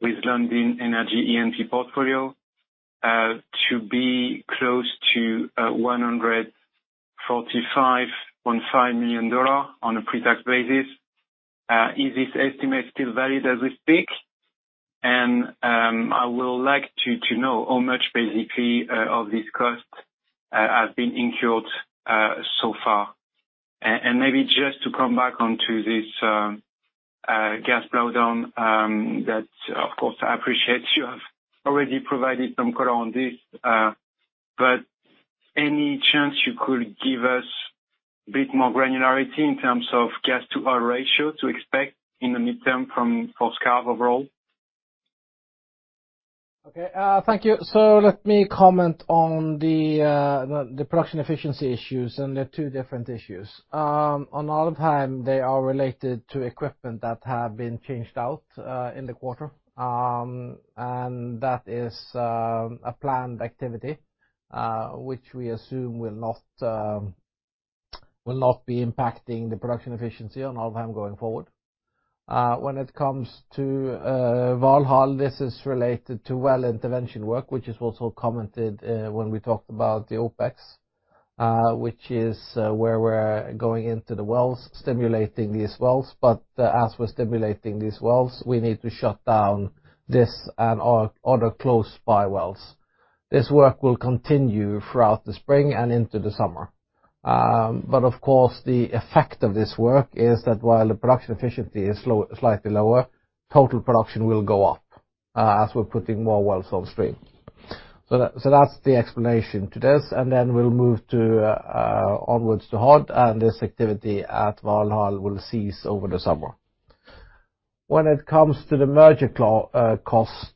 with Lundin Energy E&P portfolio to be close to $145.5 million on a pre-tax basis. Is this estimate still valid as we speak? I will like to know how much basically of this cost has been incurred so far. Maybe just to come back onto this gas blowdown that of course I appreciate you have already provided some color on this, but any chance you could give us a bit more granularity in terms of gas-to-oil ratio to expect in the midterm for Skarv overall? Okay, thank you. Let me comment on the production efficiency issues and the two different issues. On Alvheim, they are related to equipment that have been changed out in the quarter. That is a planned activity, which we assume will not be impacting the production efficiency on Alvheim going forward. When it comes to Valhall, this is related to well intervention work, which is also commented when we talked about the OpEx, which is where we're going into the wells, stimulating these wells. As we're stimulating these wells, we need to shut down this and other close by wells. This work will continue throughout the spring and into the summer. Of course, the effect of this work is that while the production efficiency is slightly lower, total production will go up as we're putting more wells on stream. That's the explanation to this, and then we'll move onward to Hod, and this activity at Valhall will cease over the summer. When it comes to the merger closing cost,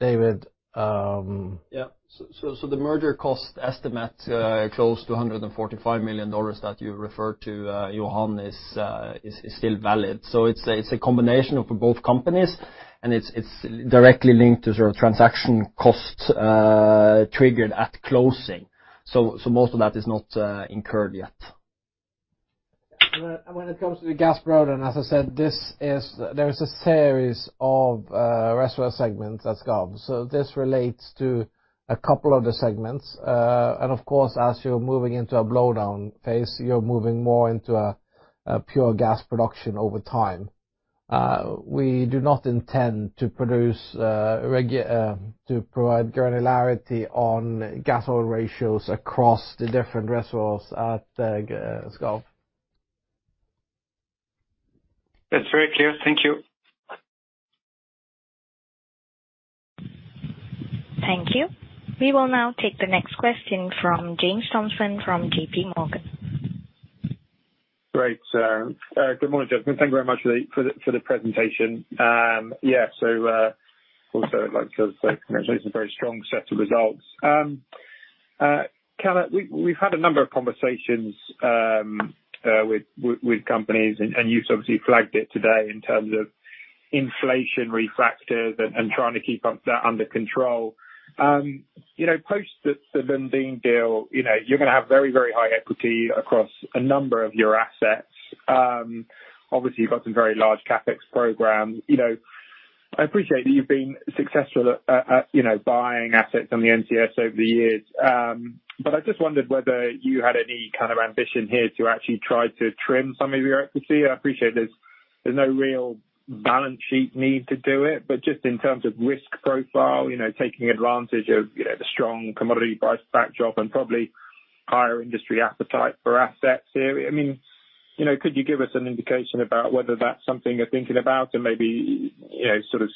David. Yeah. The merger cost estimate close to $145 million that you referred to, Yoann, is still valid. It's a combination of both companies, and it's directly linked to sort of transaction costs triggered at closing. Most of that is not incurred yet. When it comes to the gas blowdown, as I said, there is a series of reservoir segments at Skarv. This relates to a couple of the segments. Of course, as you're moving into a blowdown phase, you're moving more into a pure gas production over time. We do not intend to provide granularity on gas-oil ratios across the different reservoirs at Skarv. That's very clear. Thank you. Thank you. We will now take the next question from James Thompson from JP Morgan. Great. Good morning, gentlemen. Thank you very much for the presentation. Also I'd like to say congratulations, a very strong set of results. Karl, we've had a number of conversations with companies and you've obviously flagged it today in terms of inflationary factors and trying to keep that under control. You know, post the Lundin deal, you're gonna have very high equity across a number of your assets. Obviously, you've got some very large CapEx programs. I appreciate that you've been successful, you know, at buying assets on the NCS over the years. I just wondered whether you had any kind of ambition here to actually try to trim some of your equity. I appreciate there's no real balance sheet need to do it, but just in terms of risk profile, you know, taking advantage of, you know, the strong commodity price backdrop and probably higher industry appetite for assets here. I mean, you know, could you give us an indication about whether that's something you're thinking about and maybe, you know, sort of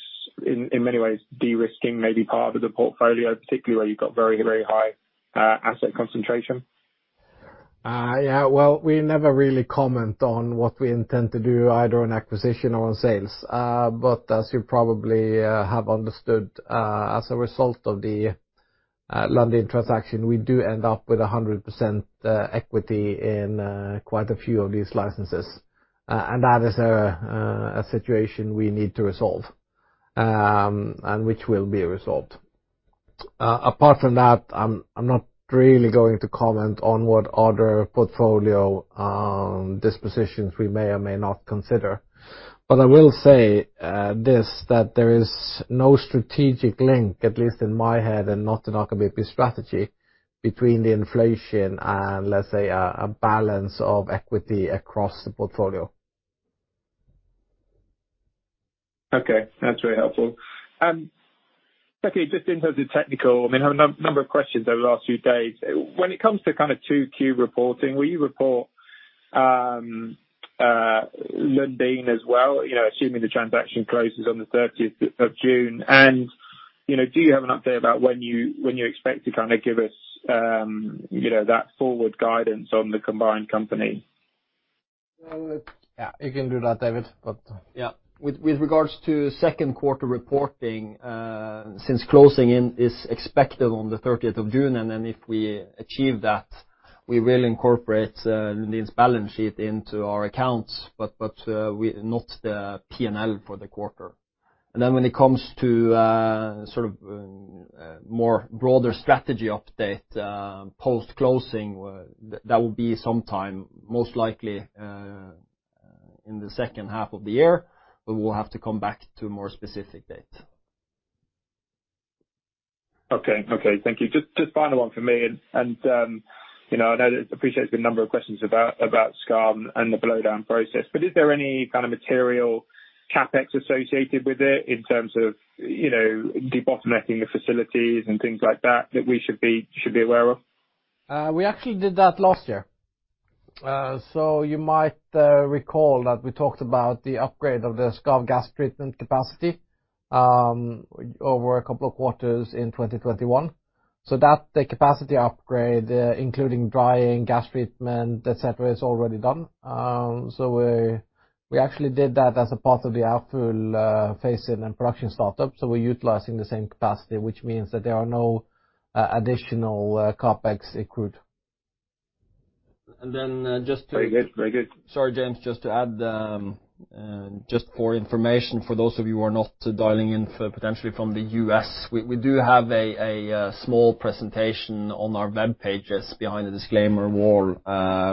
in many ways de-risking maybe part of the portfolio, particularly where you've got very, very high asset concentration? Yeah. Well, we never really comment on what we intend to do either on acquisition or on sales. As you probably have understood, as a result of the Lundin transaction, we do end up with 100% equity in quite a few of these licenses. That is a situation we need to resolve, and which will be resolved. Apart from that, I'm not really going to comment on what other portfolio dispositions we may or may not consider. I will say this, that there is no strategic link, at least in my head, and not to knock Aker BP strategy, between the inflation and, let's say, a balance of equity across the portfolio. Okay. That's very helpful. Okay, just in terms of technical, I mean, I have a number of questions over the last few days. When it comes to kind of two key reporting, will you report Lundin as well, you know, assuming the transaction closes on the thirtieth of June? You know, do you have an update about when you expect to kind of give us that forward guidance on the combined company? Yeah. You can do that, David. Yeah. With regards to second quarter reporting, since closing is expected on the 30th of June, and then if we achieve that, we will incorporate Lundin's balance sheet into our accounts, but not the P&L for the quarter. When it comes to sort of more broader strategy update post-closing, that will be some time, most likely, in the second half of the year, but we'll have to come back to a more specific date. Okay. Thank you. Just final one for me. You know, I'd appreciate a number of questions about Skarv and the blowdown process. Is there any kind of material CapEx associated with it in terms of, you know, debottlenecking the facilities and things like that we should be aware of? We actually did that last year. You might recall that we talked about the upgrade of the Skarv gas treatment capacity over a couple of quarters in 2021. The capacity upgrade, including drying, gas treatment, et cetera, is already done. We actually did that as a part of the Ærfugl phase in and production startup. We're utilizing the same capacity, which means that there are no additional CapEx accrued. And then, uh, just to- Very good. Very good. Sorry, James. Just to add, just for information, for those of you who are potentially dialing in from the US, we do have a small presentation on our web pages behind the disclaimer wall,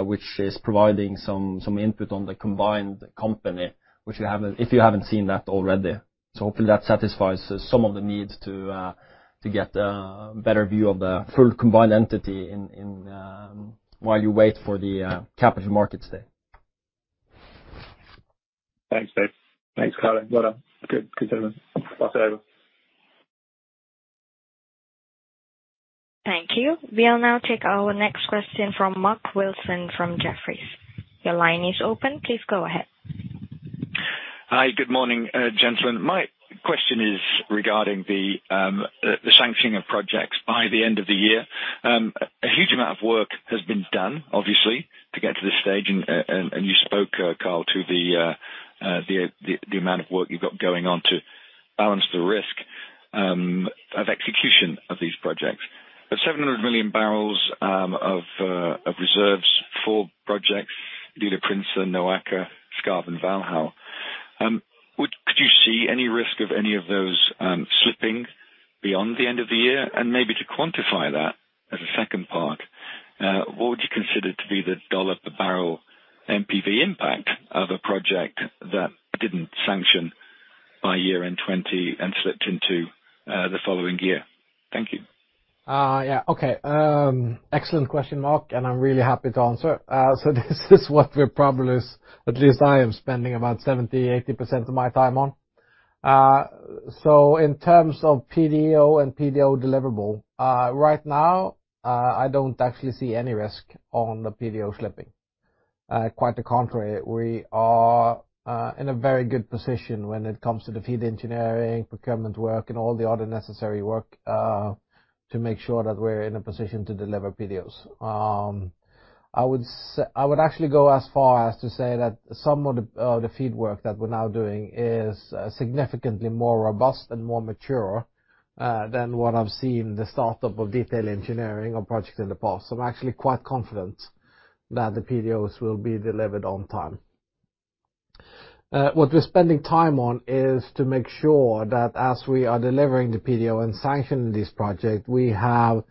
which is providing some input on the combined company. If you haven't seen that already. Hopefully that satisfies some of the needs to get a better view of the full combined entity in the interim while you wait for the capital markets day. Thanks, David. Thanks, Karl. Well done. Good. Good statement. Pass it over. Thank you. We'll now take our next question from Mark Wilson from Jefferies. Your line is open. Please go ahead. Hi. Good morning, gentlemen. My question is regarding the sanctioning of projects by the end of the year. A huge amount of work has been done, obviously, to get to this stage. You spoke, Karl, to the amount of work you've got going on to balance the risk of execution of these projects. The 700 million barrels of reserves for projects, Lille Prinsen, NOAKA, Skarv, and Valhall. Could you see any risk of any of those slipping beyond the end of the year? Maybe to quantify that as a second part, what would you consider to be the dollar per barrel NPV impact of a project that didn't sanction by year-end 20 and slipped into the following year? Thank you. Excellent question, Mark, and I'm really happy to answer. So this is what we're probably, at least I am spending about 70-80% of my time on. So in terms of PDO and PDO deliverable, right now, I don't actually see any risk on the PDO slipping. Quite the contrary, we are in a very good position when it comes to the FEED engineering, procurement work, and all the other necessary work to make sure that we're in a position to deliver PDOs. I would actually go as far as to say that some of the FEED work that we're now doing is significantly more robust and more mature than what I've seen the startup of detailed engineering or projects in the past. I'm actually quite confident that the PDOs will be delivered on time. What we're spending time on is to make sure that as we are delivering the PDO and sanctioning this project, we have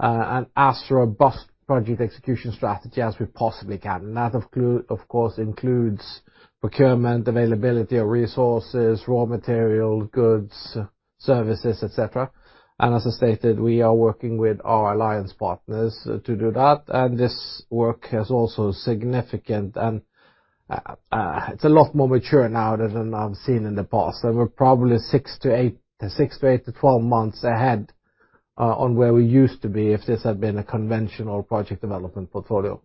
as robust project execution strategy as we possibly can. That of course includes procurement, availability of resources, raw material, goods, services, et cetera. As I stated, we are working with our alliance partners to do that. This work is a lot more mature now than I've seen in the past. We're probably 6-8 to 12 months ahead on where we used to be if this had been a conventional project development portfolio.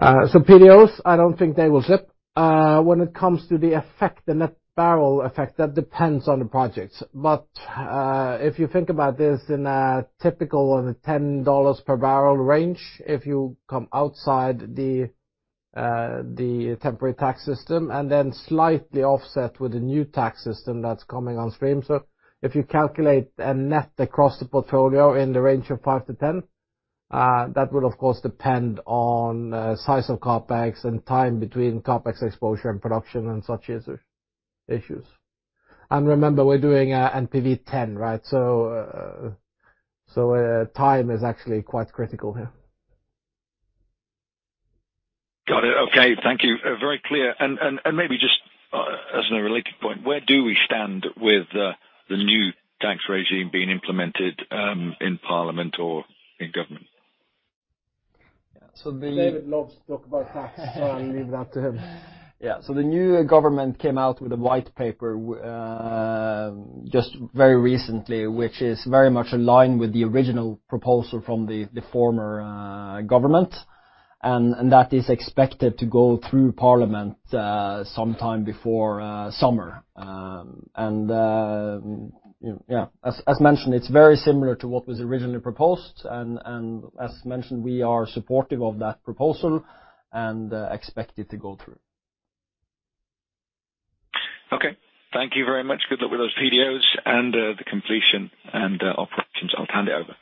PDOs, I don't think they will slip. When it comes to the effect, the net barrel effect, that depends on the projects. If you think about this in a typical $10 per barrel range, if you come outside the temporary tax system and then slightly offset with the new tax system that's coming on stream. If you calculate a net across the portfolio in the range of $5-$10, that will of course depend on size of CapEx and time between CapEx exposure and production and such issues. Remember, we're doing NPV 10, right? Time is actually quite critical here. Got it. Okay. Thank you. Very clear. Maybe just as a related point, where do we stand with the new tax regime being implemented in parliament or in government? Yeah. David loves to talk about tax. I'll leave that to him. Yeah. The new government came out with a white paper just very recently, which is very much aligned with the original proposal from the former government. That is expected to go through parliament sometime before summer. As mentioned, it's very similar to what was originally proposed. As mentioned, we are supportive of that proposal and expect it to go through. Okay. Thank you very much. Good luck with those PDOs and the completion and operations. I'll hand it over.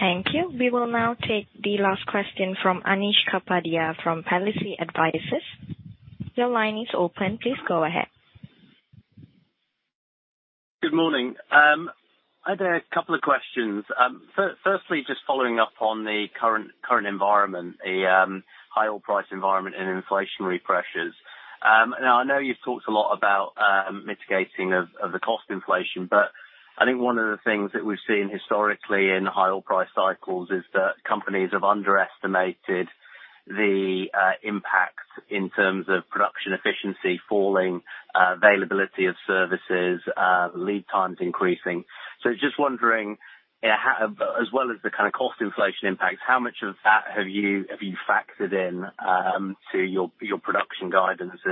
Thank you. Thank you. We will now take the last question from Anish Kapadia from Palliser Advisors. Your line is open. Please go ahead. Good morning. I had a couple of questions. Firstly, just following up on the current environment, a high oil price environment and inflationary pressures. Now I know you've talked a lot about mitigating of the cost inflation, but I think one of the things that we've seen historically in high oil price cycles is that companies have underestimated the impact in terms of production efficiency falling, availability of services, lead times increasing. So just wondering, as well as the kinda cost inflation impacts, how much of that have you factored in to your production guidance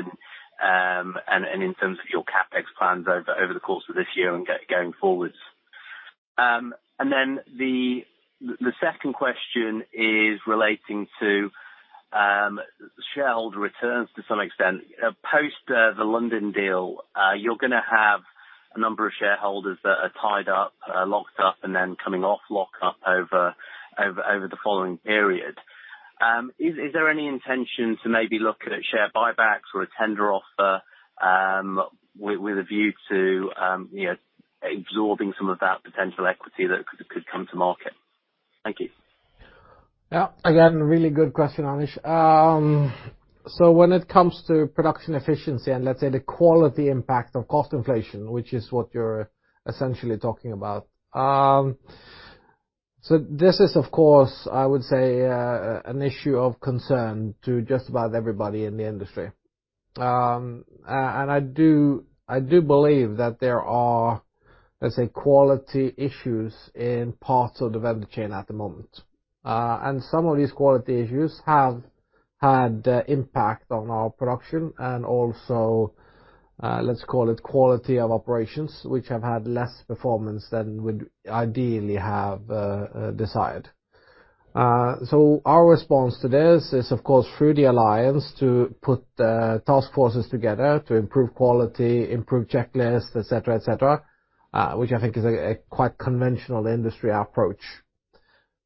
and in terms of your CapEx plans over the course of this year and going forward. And then the second question is relating to shareholder returns to some extent. Post the Lundin deal, you're gonna have a number of shareholders that are tied up, locked up, and then coming off lock up over the following period. Is there any intention to maybe look at share buybacks or a tender offer, with a view to, you know, absorbing some of that potential equity that could come to market? Thank you. Yeah. Again, really good question, Anish. So when it comes to production efficiency and let's say the quality impact of cost inflation, which is what you're essentially talking about. This is, of course, I would say, an issue of concern to just about everybody in the industry. I do believe that there are, let's say, quality issues in parts of the vendor chain at the moment. Some of these quality issues have had impact on our production and also, let's call it quality of operations, which have had less performance than we'd ideally have desired. Our response to this is of course, through the alliance to put task forces together to improve quality, improve checklist, et cetera, et cetera, which I think is a quite conventional industry approach.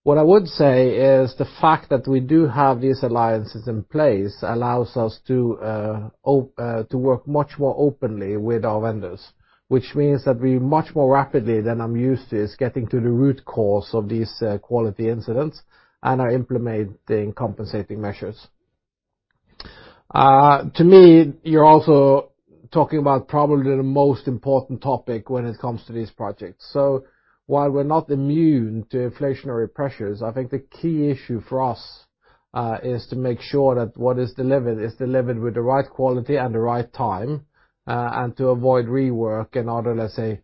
What I would say is the fact that we do have these alliances in place allows us to work much more openly with our vendors, which means that we much more rapidly than I'm used to is getting to the root cause of these quality incidents and are implementing compensating measures. To me, you're also talking about probably the most important topic when it comes to these projects. While we're not immune to inflationary pressures, I think the key issue for us is to make sure that what is delivered is delivered with the right quality and the right time and to avoid rework and other, let's say,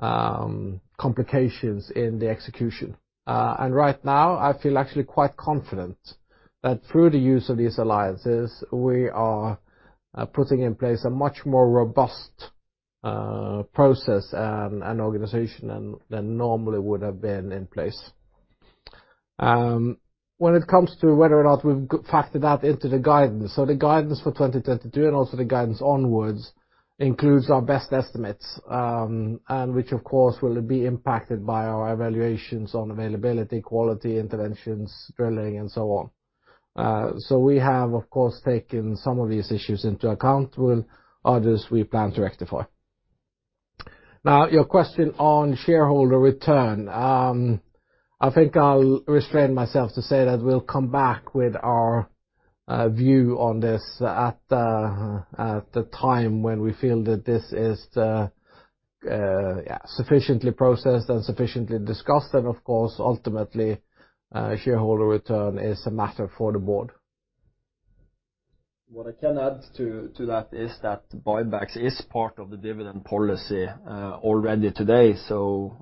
complications in the execution. Right now, I feel actually quite confident that through the use of these alliances, we are putting in place a much more robust process and organization than normally would have been in place. When it comes to whether or not we've factored that into the guidance. The guidance for 2022 and also the guidance onwards includes our best estimates, and which of course will be impacted by our evaluations on availability, quality, interventions, drilling and so on. We have, of course, taken some of these issues into account, while others we plan to rectify. Now, your question on shareholder return. I think I'll restrain myself to say that we'll come back with our view on this at the time when we feel that this is yeah sufficiently processed and sufficiently discussed. Of course, ultimately, shareholder return is a matter for the board. What I can add to that is that buybacks is part of the dividend policy already today.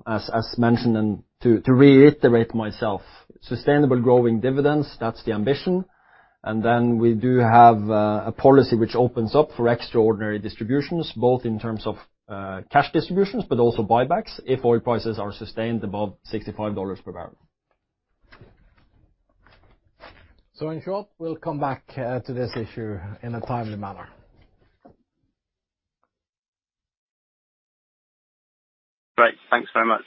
As mentioned, and to reiterate myself, sustainable growing dividends, that's the ambition. We do have a policy which opens up for extraordinary distributions, both in terms of cash distributions, but also buybacks if oil prices are sustained above $65 per barrel. In short, we'll come back to this issue in a timely manner. Great. Thanks very much.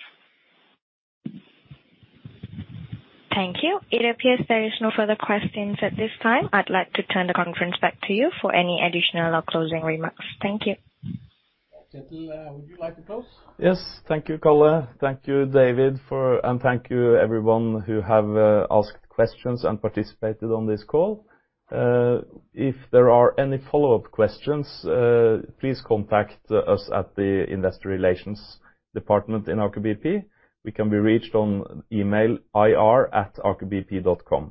Thank you. It appears there is no further questions at this time. I'd like to turn the conference back to you for any additional or closing remarks. Thank you. Kjetil, would you like to close? Yes. Thank you, Karl. Thank you, David. Thank you everyone who have asked questions and participated on this call. If there are any follow-up questions, please contact us at the Investor Relations department in Aker BP. We can be reached on email, ir@akerbp.com.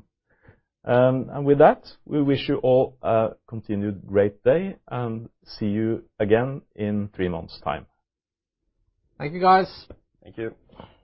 With that, we wish you all a continued great day and see you again in three months time. Thank you, guys. Thank you.